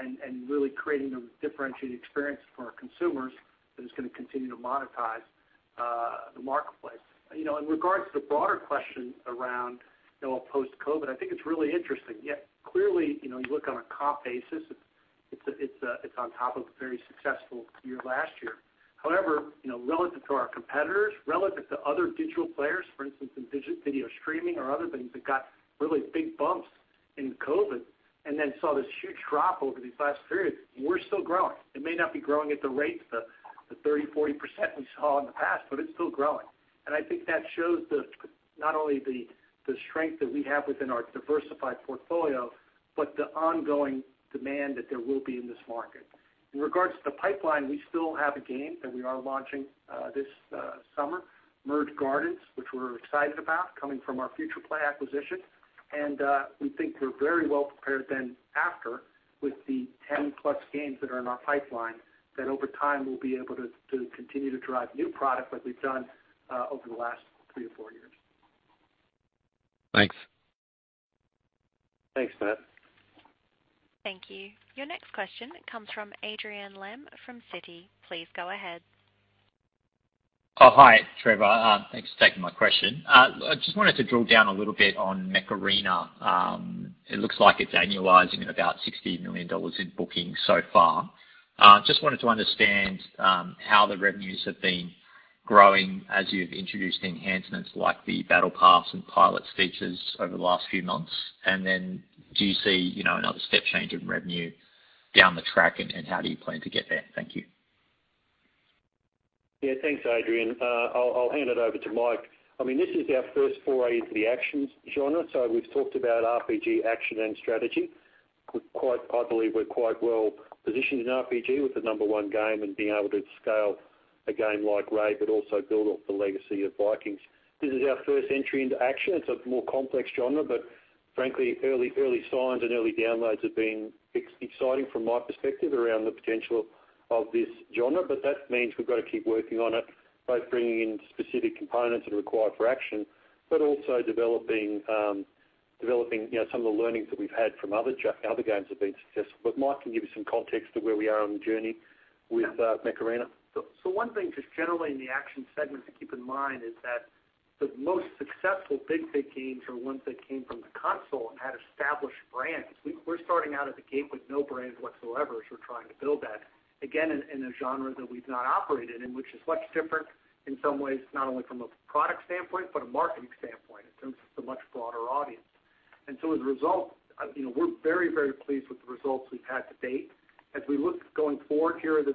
and really creating a differentiated experience for our consumers that is gonna continue to monetize the marketplace. You know, in regards to the broader question around, you know, post-COVID, I think it's really interesting, yet clearly, you know, you look on a comp basis, it's on top of a very successful year last year. However, you know, relative to our competitors, relative to other digital players, for instance, in digital video streaming or other things that got really big bumps in COVID and then saw this huge drop over these last periods, we're still growing. It may not be growing at the rates of the 30%, 40% we saw in the past, but it's still growing. I think that shows not only the strength that we have within our diversified portfolio, but the ongoing demand that there will be in this market. In regards to the pipeline, we still have a game that we are launching this summer, Merge Gardens, which we're excited about coming from our Futureplay acquisition. We think we're very well prepared then after with the 10+ games that are in our pipeline, that over time we'll be able to continue to drive new product like we've done over the last three or four years. Thanks. Thanks, Matt. Thank you. Your next question comes from Adrian Lemme from Citi. Please go ahead. Hi, Trevor. Thanks for taking my question. I just wanted to drill down a little bit on Mech Arena. It looks like it's annualizing at about $60 million in bookings so far. Just wanted to understand how the revenues have been growing as you've introduced enhancements like the Battle Pass and Pilots features over the last few months? Then do you see, you know, another step change in revenue down the track and how do you plan to get there? Thank you. Yeah, thanks, Adrian. I'll hand it over to Mike. I mean, this is our first foray into the action genre. We've talked about RPG action and strategy. I believe we're quite well positioned in RPG with the number one game and being able to scale a game like RAID, but also build off the legacy of Vikings. This is our first entry into action. It's a more complex genre, but frankly, early signs and early downloads have been exciting from my perspective around the potential of this genre. That means we've got to keep working on it, both bringing in specific components that are required for action, but also developing, you know, some of the learnings that we've had from other games have been successful. Mike can give you some context of where we are on the journey with Mech Arena. One thing just generally in the action segment to keep in mind is that the most successful big hit games are ones that came from the console and had established brands. We're starting out at the gate with no brand whatsoever as we're trying to build that. Again, in a genre that we've not operated in, which is much different in some ways, not only from a product standpoint, but a marketing standpoint in terms of the much broader audience. As a result, you know, we're very, very pleased with the results we've had to date. As we look going forward here, the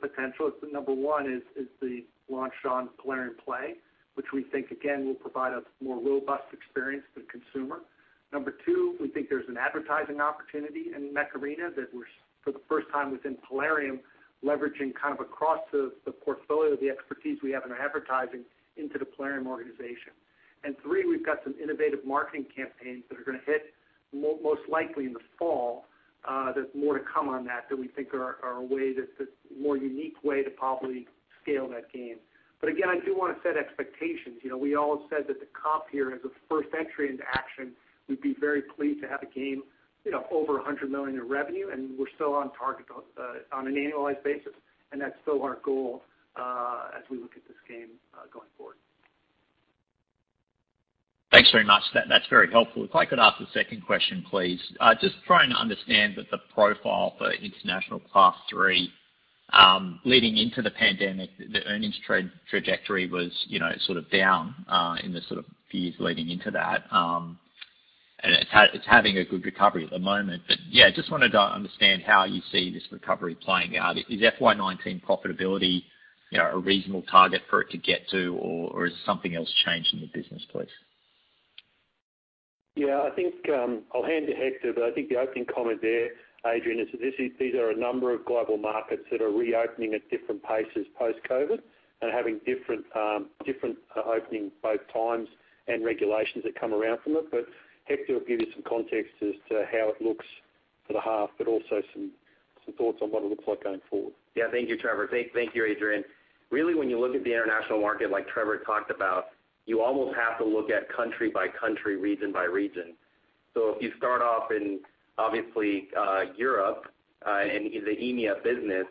potential is number one, the launch on Plarium Play, which we think again, will provide a more robust experience to the consumer. Number two, we think there's an advertising opportunity in Mech Arena that we're, for the first time within Plarium, leveraging kind of across the portfolio, the expertise we have in our advertising into the Plarium organization. Three, we've got some innovative marketing campaigns that are gonna hit most likely in the fall. There's more to come on that we think are a way that the more unique way to probably scale that game. Again, I do wanna set expectations. You know, we all have said that the comp here is a first entry into action. We'd be very pleased to have a game, you know, over $100 million in revenue, and we're still on target on an annualized basis, and that's still our goal as we look at this game going forward. Thanks very much. That's very helpful. If I could ask a second question, please. Just trying to understand that the profile for international Class III leading into the pandemic, the earnings trajectory was, you know, sort of down in the sort of years leading into that. It's having a good recovery at the moment. Yeah, just wanted to understand how you see this recovery playing out? Is FY 2019 profitability, you know, a reasonable target for it to get to, or is something else changing the business, please? Yeah, I think I'll hand to Hector, but I think the opening comment there, Adrian, is that these are a number of global markets that are reopening at different paces post-COVID and having different timelines and regulations that come around from it. Hector will give you some context as to how it looks for the half, but also some thoughts on what it looks like going forward. Yeah, thank you, Trevor. Thank you, Adrian. Really, when you look at the international market like Trevor talked about, you almost have to look at country by country, region by region. If you start off in, obviously, Europe, and in the EMEA business,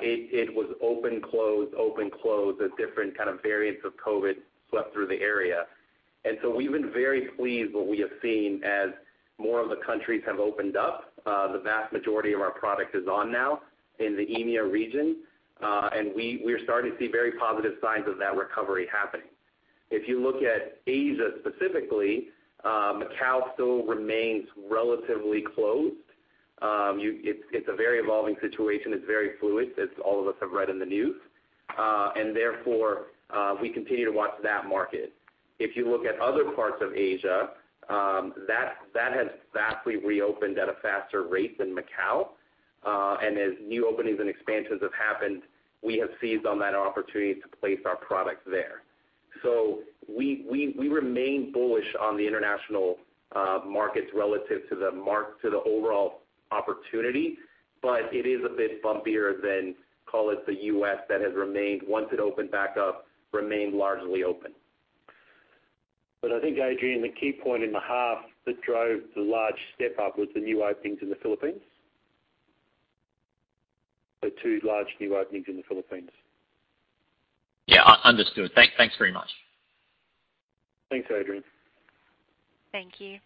it was open, closed, open, closed as different kind of variants of COVID swept through the area. We've been very pleased what we have seen as more of the countries have opened up. The vast majority of our product is on now in the EMEA region. We're starting to see very positive signs of that recovery happening. If you look at Asia specifically, Macau still remains relatively closed. It's a very evolving situation. It's very fluid, as all of us have read in the news, and therefore, we continue to watch that market. If you look at other parts of Asia, that has vastly reopened at a faster rate than Macau. As new openings and expansions have happened, we have seized on that opportunity to place our products there. We remain bullish on the international markets relative to the overall opportunity, but it is a bit bumpier than, call it, the U.S. that has remained, once it opened back up, remained largely open. I think, Adrian, the key point in the half that drove the large step-up was the new openings in the Philippines. The two large new openings in the Philippines. Yeah, understood. Thanks very much. Thanks, Adrian. Thank you.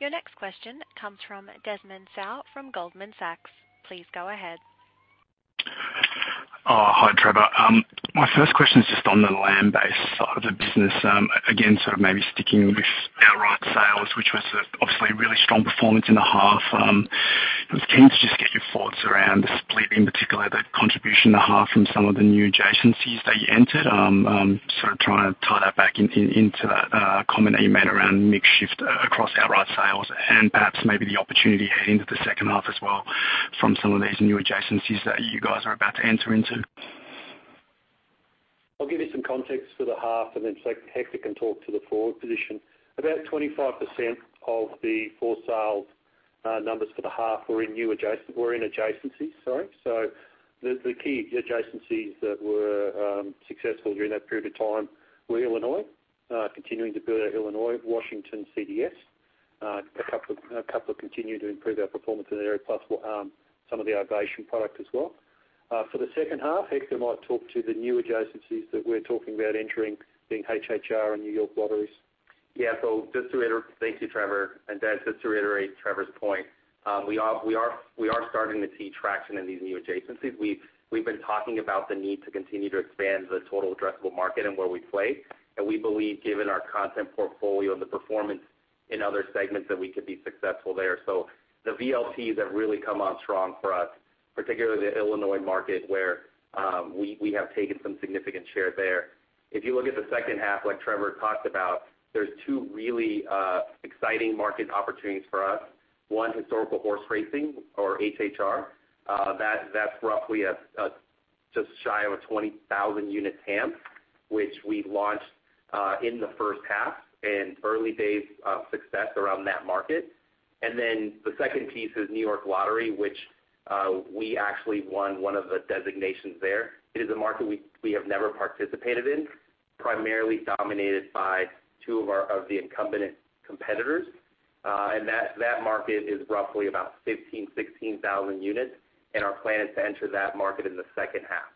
Your next question comes from Desmond Tsao from Goldman Sachs. Please go ahead. Oh, hi, Trevor. My first question is just on the land-based side of the business. Again, sort of maybe sticking with outright sales, which was obviously a really strong performance in the half. I was keen to just get your thoughts around the split, in particular, the contribution in the half from some of the new adjacencies that you entered. Sort of trying to tie that back into that comment you made around mix shift across outright sales, and perhaps maybe the opportunity heading into the second half as well from some of these new adjacencies that you guys are about to enter into. I'll give you some context for the half, and then so Hector can talk to the forward position. About 25% of the full-year numbers for the half were in new adjacencies. Sorry. The key adjacencies that were successful during that period of time were Illinois, continuing to build out Illinois, Washington CDS, a couple have continued to improve our performance in the area, plus some of the iGaming product as well. For the second half, Hector might talk to the new adjacencies that we're talking about entering, being HHR and New York lotteries. Thank you, Trevor. Des, just to reiterate Trevor's point, we are starting to see traction in these new adjacencies. We've been talking about the need to continue to expand the total addressable market and where we play. We believe, given our content portfolio and the performance in other segments, that we could be successful there. The VLTs have really come on strong for us, particularly the Illinois market, where we have taken some significant share there. If you look at the second half, like Trevor talked about, there's two really exciting market opportunities for us. One, historical horse racing or HHR. That's roughly a just shy of a 20,000-unit TAM, which we launched in the first half, and early days of success around that market. The second piece is New York Lottery, which we actually won one of the designations there. It is a market we have never participated in, primarily dominated by two of the incumbent competitors. That market is roughly about 15,000-16,000 units, and our plan is to enter that market in the second half.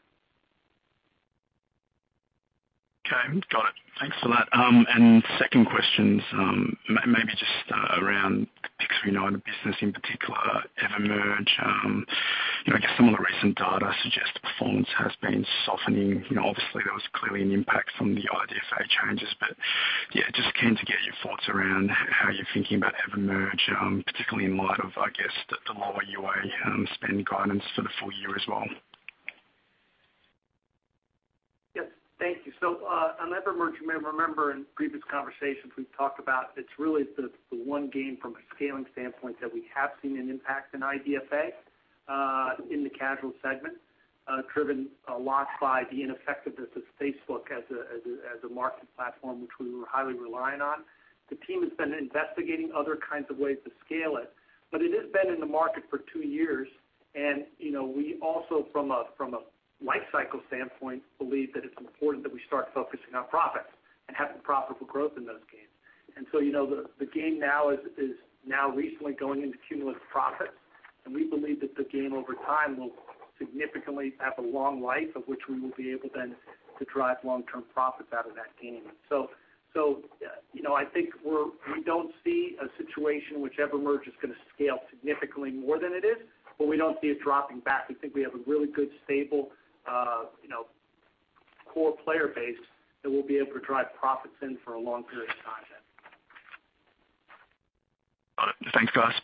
Okay. Got it. Thanks for that. Second question is, maybe just around the Pixel business in particular, EverMerge. You know, I guess some of the recent data suggests performance has been softening. You know, obviously, there was clearly an impact from the IDFA changes. But yeah, just keen to get your thoughts around how you're thinking about EverMerge, particularly in light of, I guess, the lower UA spend guidance for the full year as well. On EverMerge, you may remember in previous conversations we've talked about it's really the one game from a scaling standpoint that we have seen an impact in IDFA in the casual segment. Driven a lot by the ineffectiveness of Facebook as a market platform, which we were highly reliant on. The team has been investigating other kinds of ways to scale it. It has been in the market for two years. You know, we also from a life cycle standpoint, believe that it's important that we start focusing on profits and having profitable growth in those games. You know, the game now is recently going into cumulative profit. We believe that the game over time will significantly have a long life, of which we will be able then to drive long-term profits out of that game. You know, I think we don't see a situation in which EverMerge is gonna scale significantly more than it is, but we don't see it dropping back. We think we have a really good, stable, you know, core player base that will be able to drive profits in for a long period of time then. Got it. Thanks, Mike.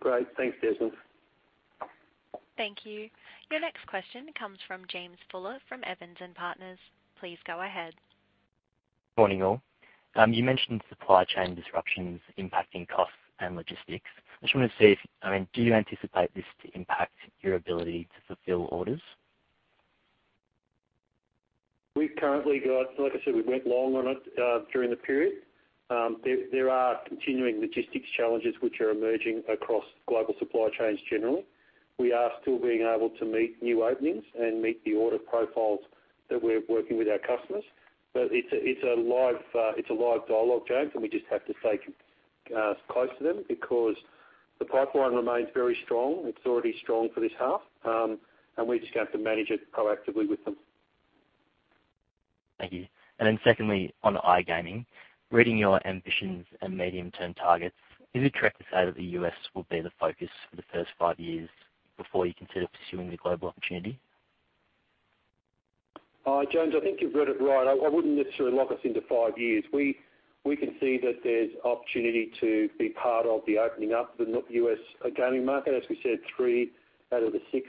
Great. Thanks, Desmond. Thank you. Your next question comes from James Fuller from Evans and Partners. Please go ahead. Morning, all. You mentioned supply chain disruptions impacting costs and logistics. I just wanna see if, I mean, do you anticipate this to impact your ability to fulfill orders? We've currently got. Like I said, we went long on it during the period. There are continuing logistics challenges which are emerging across global supply chains generally. We are still being able to meet new openings and meet the order profiles that we're working with our customers. It's a live dialogue, James, and we just have to stay close to them because the pipeline remains very strong. It's already strong for this half. We're just gonna have to manage it proactively with them. Thank you. Secondly, on iGaming, reading your ambitions and medium-term targets, is it correct to say that the U.S. will be the focus for the first five years before you consider pursuing the global opportunity? James, I think you've read it right. I wouldn't necessarily lock us into five years. We can see that there's opportunity to be part of the opening up of the US gaming market. As we said, three out of the six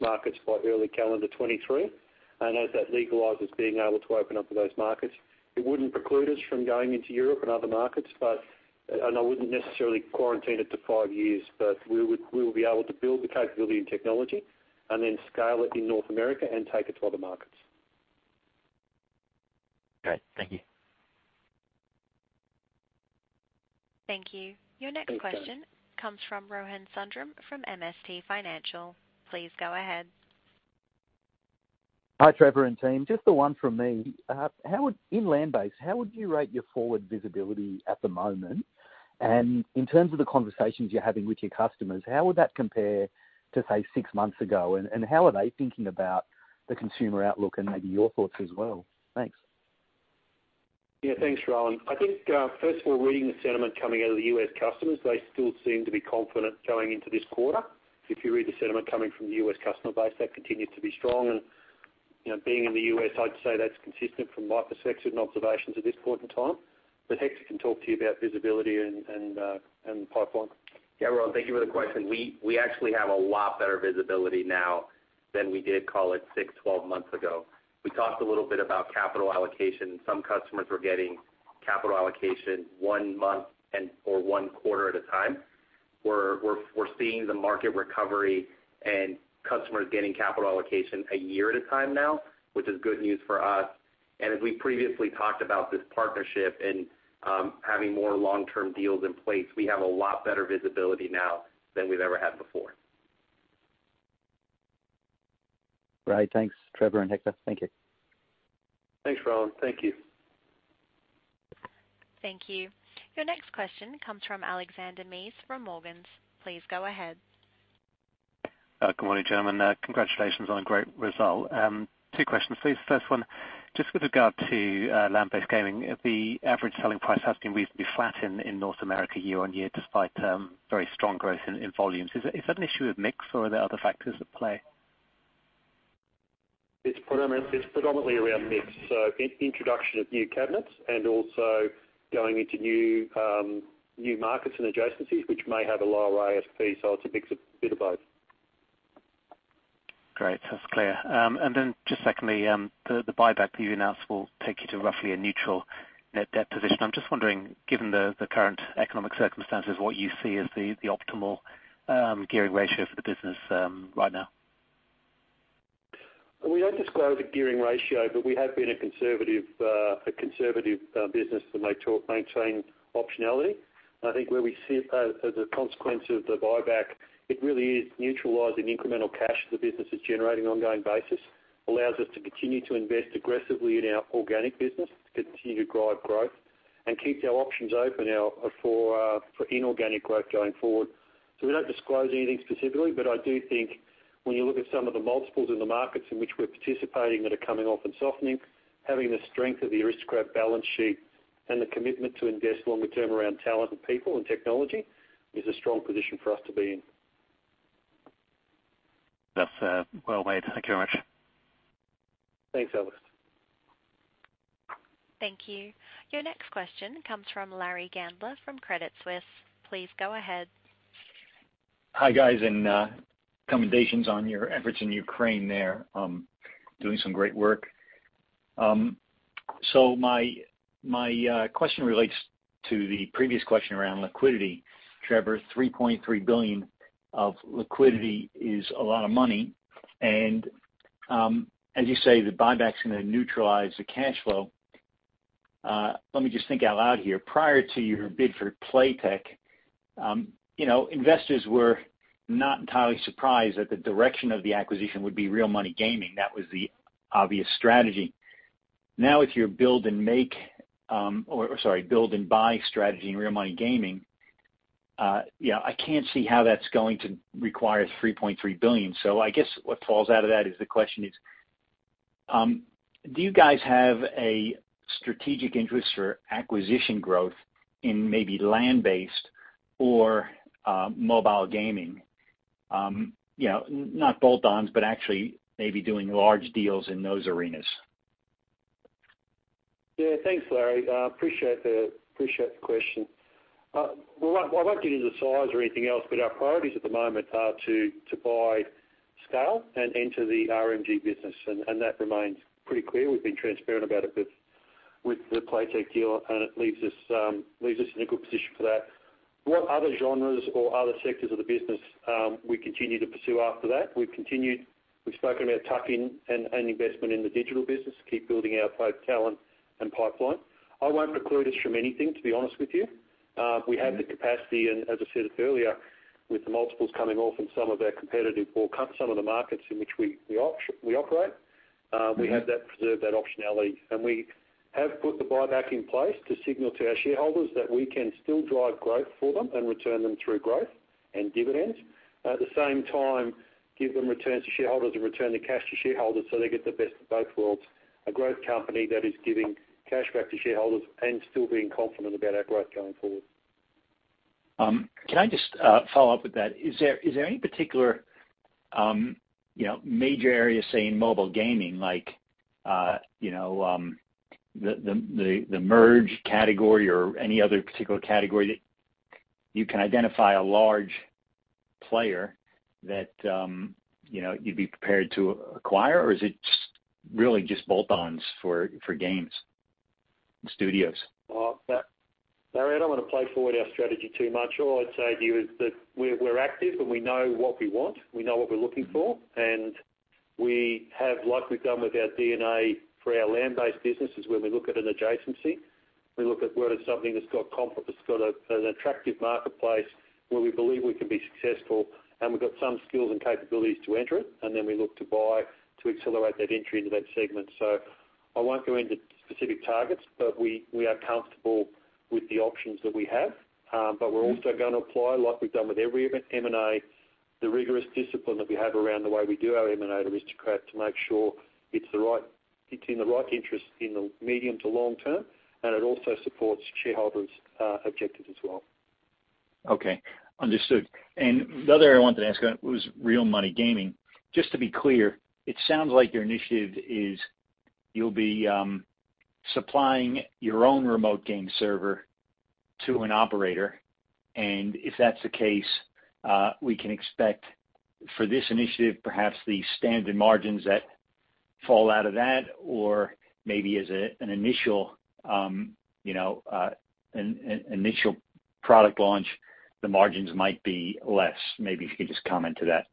markets by early calendar 2023. As that legalizes, being able to open up to those markets. It wouldn't preclude us from going into Europe and other markets, but I wouldn't necessarily quarantine it to five years. We will be able to build the capability and technology and then scale it in North America and take it to other markets. Great. Thank you. Thank you. Your next question comes from Rohan Sundram from MST Financial. Please go ahead. Hi, Trevor and team. Just the one from me. In land-based, how would you rate your forward visibility at the moment? In terms of the conversations you're having with your customers, how would that compare to, say, six months ago? How are they thinking about the consumer outlook and maybe your thoughts as well? Thanks. Yeah. Thanks, Rohan. I think, first of all, reading the sentiment coming out of the US customers, they still seem to be confident going into this quarter. If you read the sentiment coming from the US customer base, that continues to be strong. You know, being in the U.S., I'd say that's consistent from my perspective and observations at this point in time. Hector can talk to you about visibility and pipeline. Yeah, Rohan. Thank you for the question. We actually have a lot better visibility now than we did, call it, six, 12 months ago. We talked a little bit about capital allocation. Some customers were getting capital allocation one month and/or one quarter at a time. We're seeing the market recovery and customers getting capital allocation a year at a time now, which is good news for us. As we previously talked about this partnership and having more long-term deals in place, we have a lot better visibility now than we've ever had before. Great. Thanks, Trevor and Hector. Thank you. Thanks, Rohan. Thank you. Thank you. Your next question comes from Alexander Mees from Morgans. Please go ahead. Good morning, gentlemen. Congratulations on a great result. Two questions please. First one, just with regard to land-based gaming, the average selling price has been reasonably flat in North America year-over-year, despite very strong growth in volumes. Is that an issue of mix or are there other factors at play? It's predominantly around mix. Introduction of new cabinets and also going into new markets and adjacencies, which may have a lower ASP. It's a mix, a bit of both. Great. That's clear. Just secondly, the buyback that you announced will take you to roughly a neutral net debt position. I'm just wondering, given the current economic circumstances, what you see as the optimal gearing ratio for the business right now. We don't disclose a gearing ratio, but we have been a conservative business to maintain optionality. I think where we sit as a consequence of the buyback, it really is neutralizing incremental cash the business is generating on an ongoing basis, allows us to continue to invest aggressively in our organic business to continue to drive growth and keeps our options open now for inorganic growth going forward. We don't disclose anything specifically, but I do think when you look at some of the multiples in the markets in which we're participating that are coming off and softening, having the strength of the Aristocrat balance sheet and the commitment to invest longer term around talent and people and technology is a strong position for us to be in. That's, well made. Thank you very much. Thanks, Alex. Thank you. Your next question comes from Larry Gandler from Credit Suisse. Please go ahead. Hi, guys. Commendations on your efforts in Ukraine there, doing some great work. My question relates to the previous question around liquidity. Trevor, $3.3 billion of liquidity is a lot of money and, as you say, the buyback's gonna neutralize the cash flow. Let me just think out loud here. Prior to your bid for Playtech, you know, investors were not entirely surprised that the direction of the acquisition would be real money gaming. That was the obvious strategy. Now, with your build and buy strategy in real money gaming, you know, I can't see how that's going to require $3.3 billion. I guess what falls out of that is the question is, do you guys have a strategic interest for acquisition growth in maybe land-based or, mobile gaming? You know, not bolt-ons, but actually maybe doing large deals in those arenas. Yeah, thanks, Larry. I appreciate the question. I won't get into the size or anything else, but our priorities at the moment are to buy scale and enter the RMG business. That remains pretty clear. We've been transparent about it with the Playtech deal, and it leaves us in a good position for that. What other genres or other sectors of the business we continue to pursue after that, we've continued. We've spoken about tuck-in and investment in the digital business to keep building our talent and pipeline. I won't preclude us from anything, to be honest with you. We have the capacity, and as I said it earlier, with the multiples coming off in some of our competitive or some of the markets in which we operate, we have that reserve, that optionality. We have put the buyback in place to signal to our shareholders that we can still drive growth for them and return them through growth and dividends. At the same time, give them returns to shareholders and return the cash to shareholders so they get the best of both worlds, a growth company that is giving cash back to shareholders and still being confident about our growth going forward. Can I just follow up with that? Is there any particular, you know, major area, say, in mobile gaming, like, you know, the merge category or any other particular category that you can identify a large player that, you know, you'd be prepared to acquire? Or is it just really just bolt-ons for games and studios? Larry, I don't want to play forward our strategy too much. All I'd say to you is that we're active, and we know what we want. We know what we're looking for. We have, like we've done with our DNA for our land-based businesses, when we look at an adjacency, we look at where there's something that's got a, an attractive marketplace where we believe we can be successful, and we've got some skills and capabilities to enter it, and then we look to buy to accelerate that entry into that segment. I won't go into specific targets, but we are comfortable with the options that we have. We're also gonna apply, like we've done with every M&A, the rigorous discipline that we have around the way we do our M&A at Aristocrat to make sure it's in the right interest in the medium to long term, and it also supports shareholders' objectives as well. Okay. Understood. The other area I wanted to ask was Real Money Gaming. Just to be clear, it sounds like your initiative is you'll be supplying your own remote game server to an operator. If that's the case, we can expect for this initiative, perhaps the standard margins that fall out of that or maybe as an initial product launch, you know, the margins might be less. Maybe if you could just comment to that.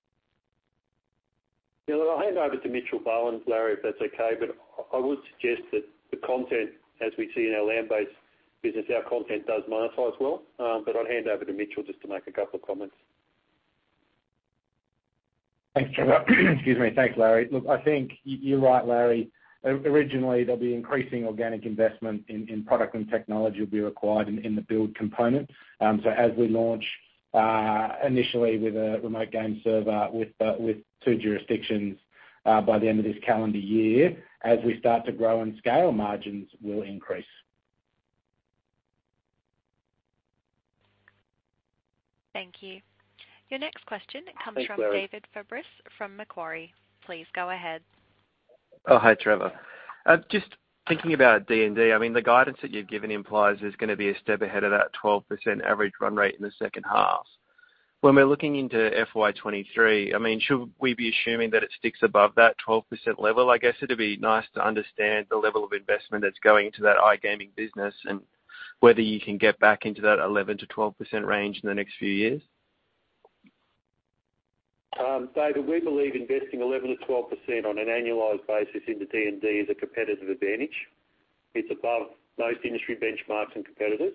Yeah. Look, I'll hand over to Mitchell Bowen, Larry, if that's okay. I would suggest that the content as we see in our land-based business, our content does monetize well. I'll hand over to Mitchell Bowen just to make a couple of comments. Thanks, Trevor. Excuse me. Thanks, Larry. Look, I think you're right, Larry. Originally, there'll be increasing organic investment in product and technology will be required in the build component. As we launch initially with a remote game server with two jurisdictions by the end of this calendar year, as we start to grow and scale, margins will increase. Thank you. Your next question comes from. Thanks, Larry. David Fabris from Macquarie. Please go ahead. Oh, hi, Trevor. Just thinking about D&D, I mean, the guidance that you've given implies there's gonna be a step ahead of that 12% average run rate in the second half. When we're looking into FY 2023, I mean, should we be assuming that it sticks above that 12% level? I guess it'd be nice to understand the level of investment that's going into that iGaming business and whether you can get back into that 11%-12% range in the next few years. David, we believe investing 11%-12% on an annualized basis into D&D is a competitive advantage. It's above most industry benchmarks and competitors.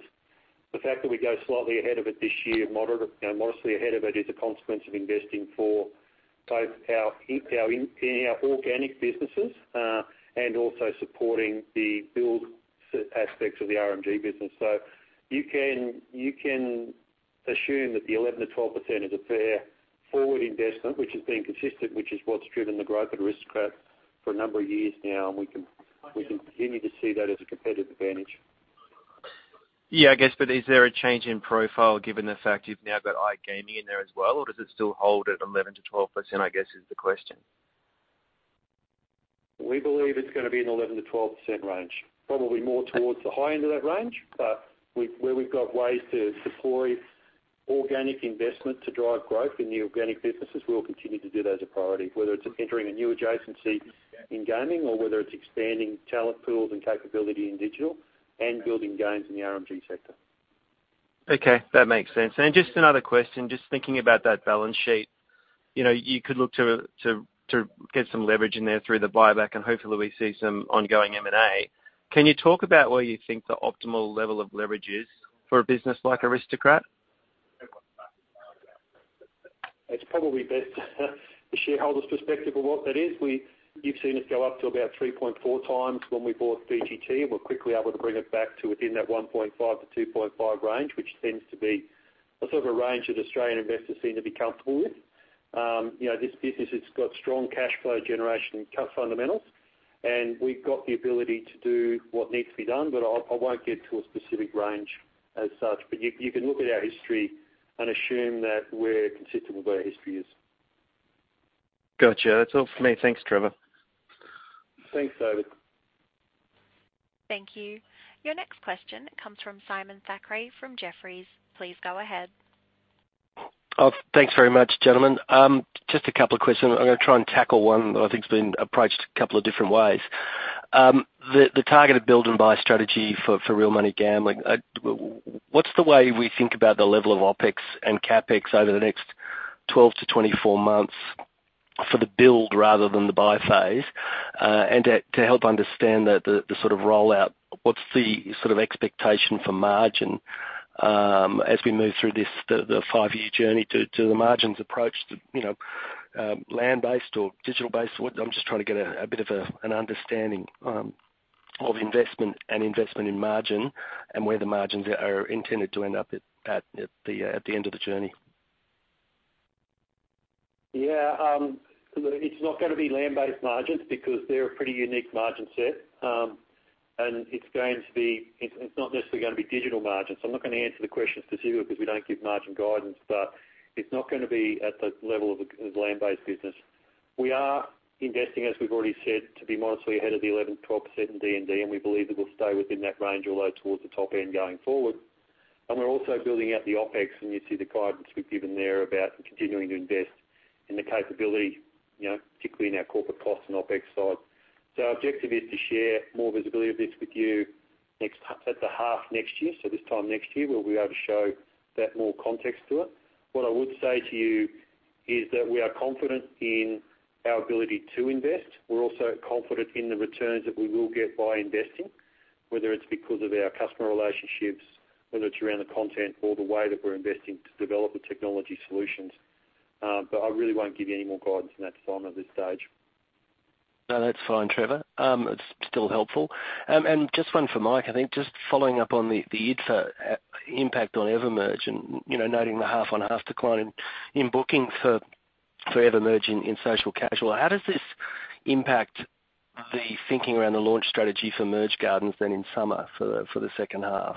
The fact that we go slightly ahead of it this year, you know, modestly ahead of it, is a consequence of investing for both our organic businesses and also supporting the build aspects of the RMG business. You can assume that the 11%-12% is a fair forward investment, which has been consistent, which is what's driven the growth at Aristocrat for a number of years now, and we can continue to see that as a competitive advantage. Yeah, I guess, but is there a change in profile given the fact you've now got iGaming in there as well, or does it still hold at 11%-12%, I guess, is the question? We believe it's gonna be in the 11%-12% range, probably more towards the high end of that range. Where we've got ways to deploy organic investment to drive growth in the organic businesses, we'll continue to do those as a priority, whether it's entering a new adjacency in gaming or whether it's expanding talent pools and capability in digital and building games in the RMG sector. Okay, that makes sense. Just another question, just thinking about that balance sheet. You know, you could look to get some leverage in there through the buyback, and hopefully we see some ongoing M&A. Can you talk about where you think the optimal level of leverage is for a business like Aristocrat? It's probably best the shareholders' perspective of what that is. You've seen us go up to about 3.4x when we bought VGT, and we're quickly able to bring it back to within that 1.5x-2.5x range, which tends to be a sort of a range that Australian investors seem to be comfortable with. You know, this business has got strong cash flow generation and solid fundamentals, and we've got the ability to do what needs to be done. I won't get to a specific range as such. You can look at our history and assume that we're consistent with what our history is. Got you. That's all for me. Thanks, Trevor. Thanks, David. Thank you. Your next question comes from Simon Thackray from Jefferies. Please go ahead. Thanks very much, gentlemen. Just a couple of questions. I'm gonna try and tackle one that I think's been approached a couple of different ways. The targeted build-and-buy strategy for real money gambling. What's the way we think about the level of OpEx and CapEx over the next 12-24 months for the build rather than the buy phase? To help understand the sort of rollout, what's the sort of expectation for margin as we move through this five-year journey to the margins approach to, you know, land-based or digital-based? I'm just trying to get a bit of an understanding of investment in margin and where the margins are intended to end up at the end of the journey. Yeah, look, it's not gonna be land-based margins because they're a pretty unique margin set. It's not necessarily gonna be digital margins. I'm not gonna answer the question specifically because we don't give margin guidance, but it's not gonna be at the level of land-based business. We are investing, as we've already said, to be modestly ahead of the 11%-12% in D&D, and we believe that we'll stay within that range or low towards the top end going forward. We're also building out the OpEx, and you see the guidance we've given there about continuing to invest in the capability, you know, particularly in our corporate cost and OpEx side. Our objective is to share more visibility of this with you next at the half next year. This time next year, we'll be able to show that more context to it. What I would say to you is that we are confident in our ability to invest. We're also confident in the returns that we will get by investing, whether it's because of our customer relationships, whether it's around the content or the way that we're investing to develop the technology solutions. I really won't give you any more guidance than that, Simon, at this stage. No, that's fine, Trevor. It's still helpful. Just one for Mike. I think just following up on the IDFA impact on EverMerge and, you know, noting the half-on-half decline in booking for EverMerge in social casual. How does this impact the thinking around the launch strategy for Merge Gardens then in summer for the second half?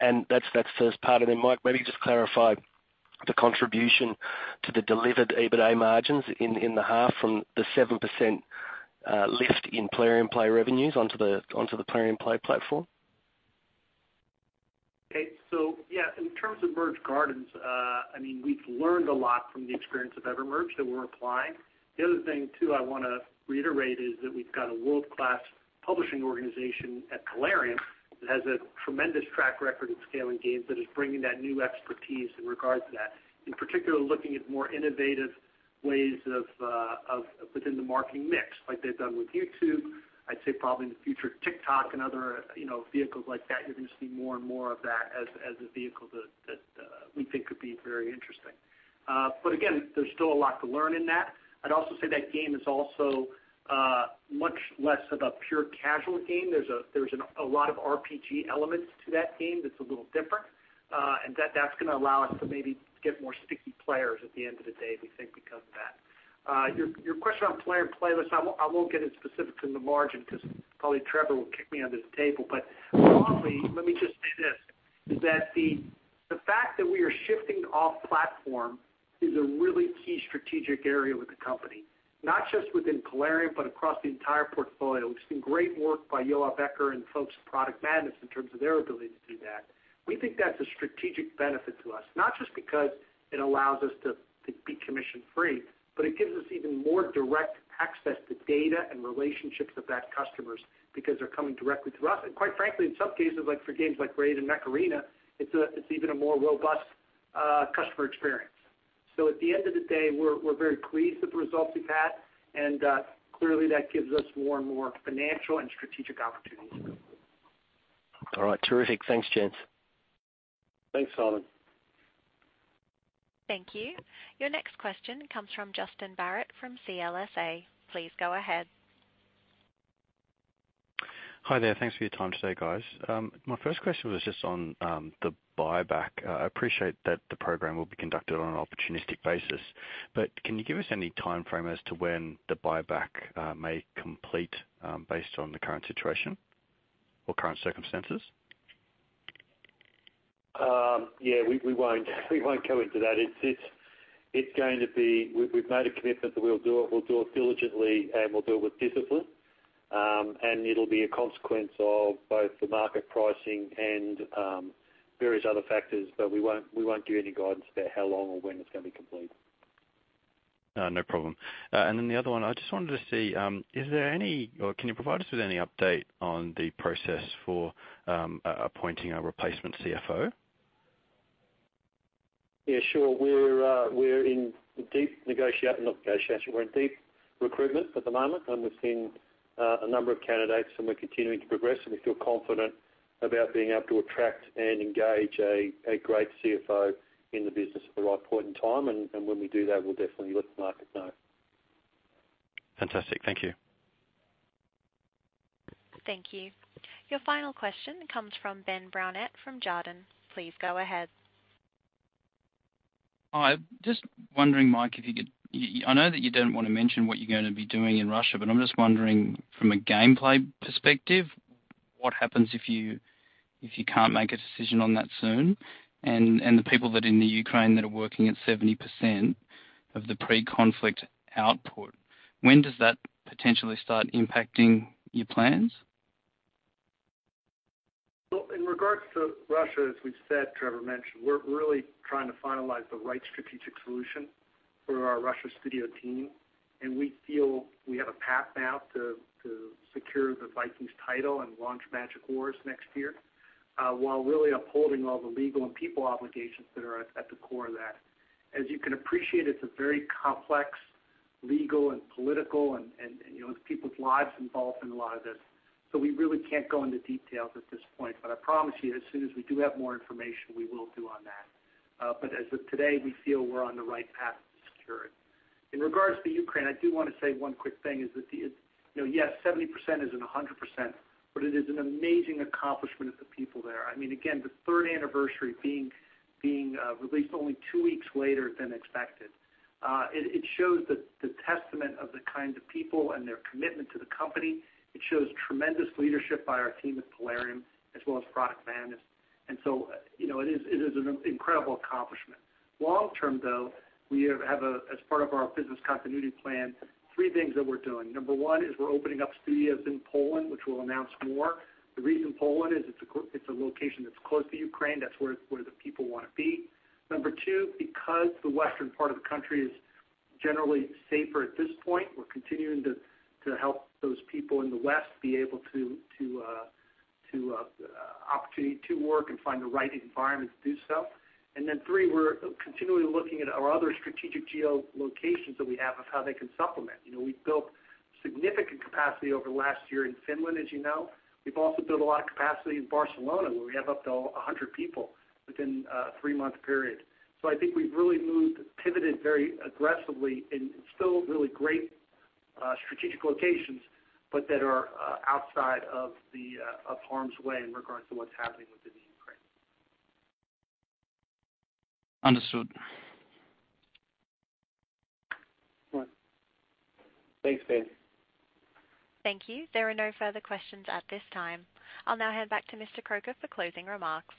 That's the first part. Then Mike, maybe just clarify the contribution to the delivered EBITDA margins in the half from the 7% lift in Plarium and Play revenues onto the Plarium and Play platform. Okay. Yeah, in terms of Merge Gardens, I mean, we've learned a lot from the experience of EverMerge that we're applying. The other thing, too, I wanna reiterate is that we've got a world-class publishing organization at Plarium that has a tremendous track record in scaling games that is bringing that new expertise in regards to that. In particular, looking at more innovative ways of, within the marketing mix, like they've done with YouTube, I'd say probably in the future, TikTok and other, you know, vehicles like that, you're gonna see more and more of that as a vehicle that, we think could be very interesting. Again, there's still a lot to learn in that. I'd also say that game is also, much less of a pure casual game. There's a lot of RPG elements to that game that's a little different, and that's gonna allow us to maybe get more sticky players at the end of the day, we think, because of that. Your question on Plarium Play, I won't get into specifics in the margin because probably Trevor will kick me under the table. Broadly, let me just say this, is that the fact that we are shifting off-platform is a really key strategic area with the company, not just within Plarium, but across the entire portfolio. We've seen great work by Joar Becker and the folks at Product Madness in terms of their ability to do that. We think that's a strategic benefit to us, not just because it allows us to be commission-free, but it gives us even more direct access to data and relationships with those customers because they're coming directly to us. Quite frankly, in some cases, like for games like RAID and Mech Arena, it's even a more robust customer experience. At the end of the day, we're very pleased with the results we've had, and clearly that gives us more and more financial and strategic opportunities. All right. Terrific. Thanks, gents. Thanks, Simon. Thank you. Your next question comes from Justin Barratt from CLSA. Please go ahead. Hi there. Thanks for your time today, guys. My first question was just on the buyback. I appreciate that the program will be conducted on an opportunistic basis, but can you give us any timeframe as to when the buyback may complete, based on the current situation or current circumstances? Yeah, we won't go into that. We've made a commitment that we'll do it. We'll do it diligently, and we'll do it with discipline. It'll be a consequence of both the market pricing and various other factors. We won't give any guidance about how long or when it's gonna be complete. No problem. The other one, I just wanted to see, is there any, or can you provide us with any update on the process for appointing a replacement CFO? Yeah, sure. We're in deep recruitment at the moment, and we're seeing a number of candidates, and we're continuing to progress. We feel confident about being able to attract and engage a great CFO in the business at the right point in time. When we do that, we'll definitely let the market know. Fantastic. Thank you. Thank you. Your final question comes from Ben Brownette from Jarden. Please go ahead. Hi. Just wondering, Mike, if you could, I know that you don't wanna mention what you're gonna be doing in Russia, but I'm just wondering from a gameplay perspective, what happens if you can't make a decision on that soon, and the people that are in the Ukraine that are working at 70% of the pre-conflict output, when does that potentially start impacting your plans? Well, in regards to Russia, as we've said, Trevor mentioned, we're really trying to finalize the right strategic solution for our Russia studio team, and we feel we have a path now to secure the Vikings title and launch Magic Wars next year, while really upholding all the legal and people obligations that are at the core of that. As you can appreciate, it's a very complex legal and political and, you know, there's people's lives involved in a lot of this. We really can't go into details at this point. I promise you, as soon as we do have more information, we will do on that. As of today, we feel we're on the right path to secure it. In regards to Ukraine, I do wanna say one quick thing, is that yes, 70% isn't 100%, but it is an amazing accomplishment of the people there. I mean, again, the third anniversary being released only two weeks later than expected. It shows the testament of the kinds of people and their commitment to the company. It shows tremendous leadership by our team at Plarium as well as Product Madness. You know, it is an incredible accomplishment. Long term, though, we have a, as part of our business continuity plan, three things that we're doing. Number one is we're opening up studios in Poland, which we'll announce more. The reason Poland is it's a location that's close to Ukraine. That's where the people wanna be. Number two, because the western part of the country is generally safer at this point, we're continuing to help those people in the west be able to have the opportunity to work and find the right environment to do so. Three, we're continually looking at our other strategic geolocations that we have of how they can supplement. You know, we've built significant capacity over the last year in Finland, as you know. We've also built a lot of capacity in Barcelona, where we have up to 100 people within a three-month period. I think we've really moved, pivoted very aggressively in still really great strategic locations, but that are outside of harm's way in regards to what's happening within Ukraine. Understood. All right. Thanks, Ben. Thank you. There are no further questions at this time. I'll now hand back to Mr. Croker for closing remarks.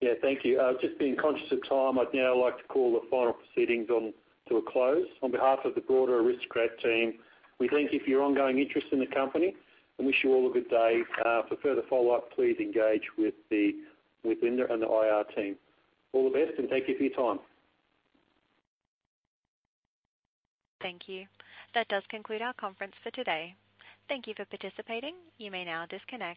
Yeah, thank you. Just being conscious of time, I'd now like to call the final proceedings to a close. On behalf of the broader Aristocrat team, we thank you for your ongoing interest in the company and wish you all a good day. For further follow-up, please engage with Linda and the IR team. All the best, and thank you for your time. Thank you. That does conclude our conference for today. Thank you for participating. You may now disconnect.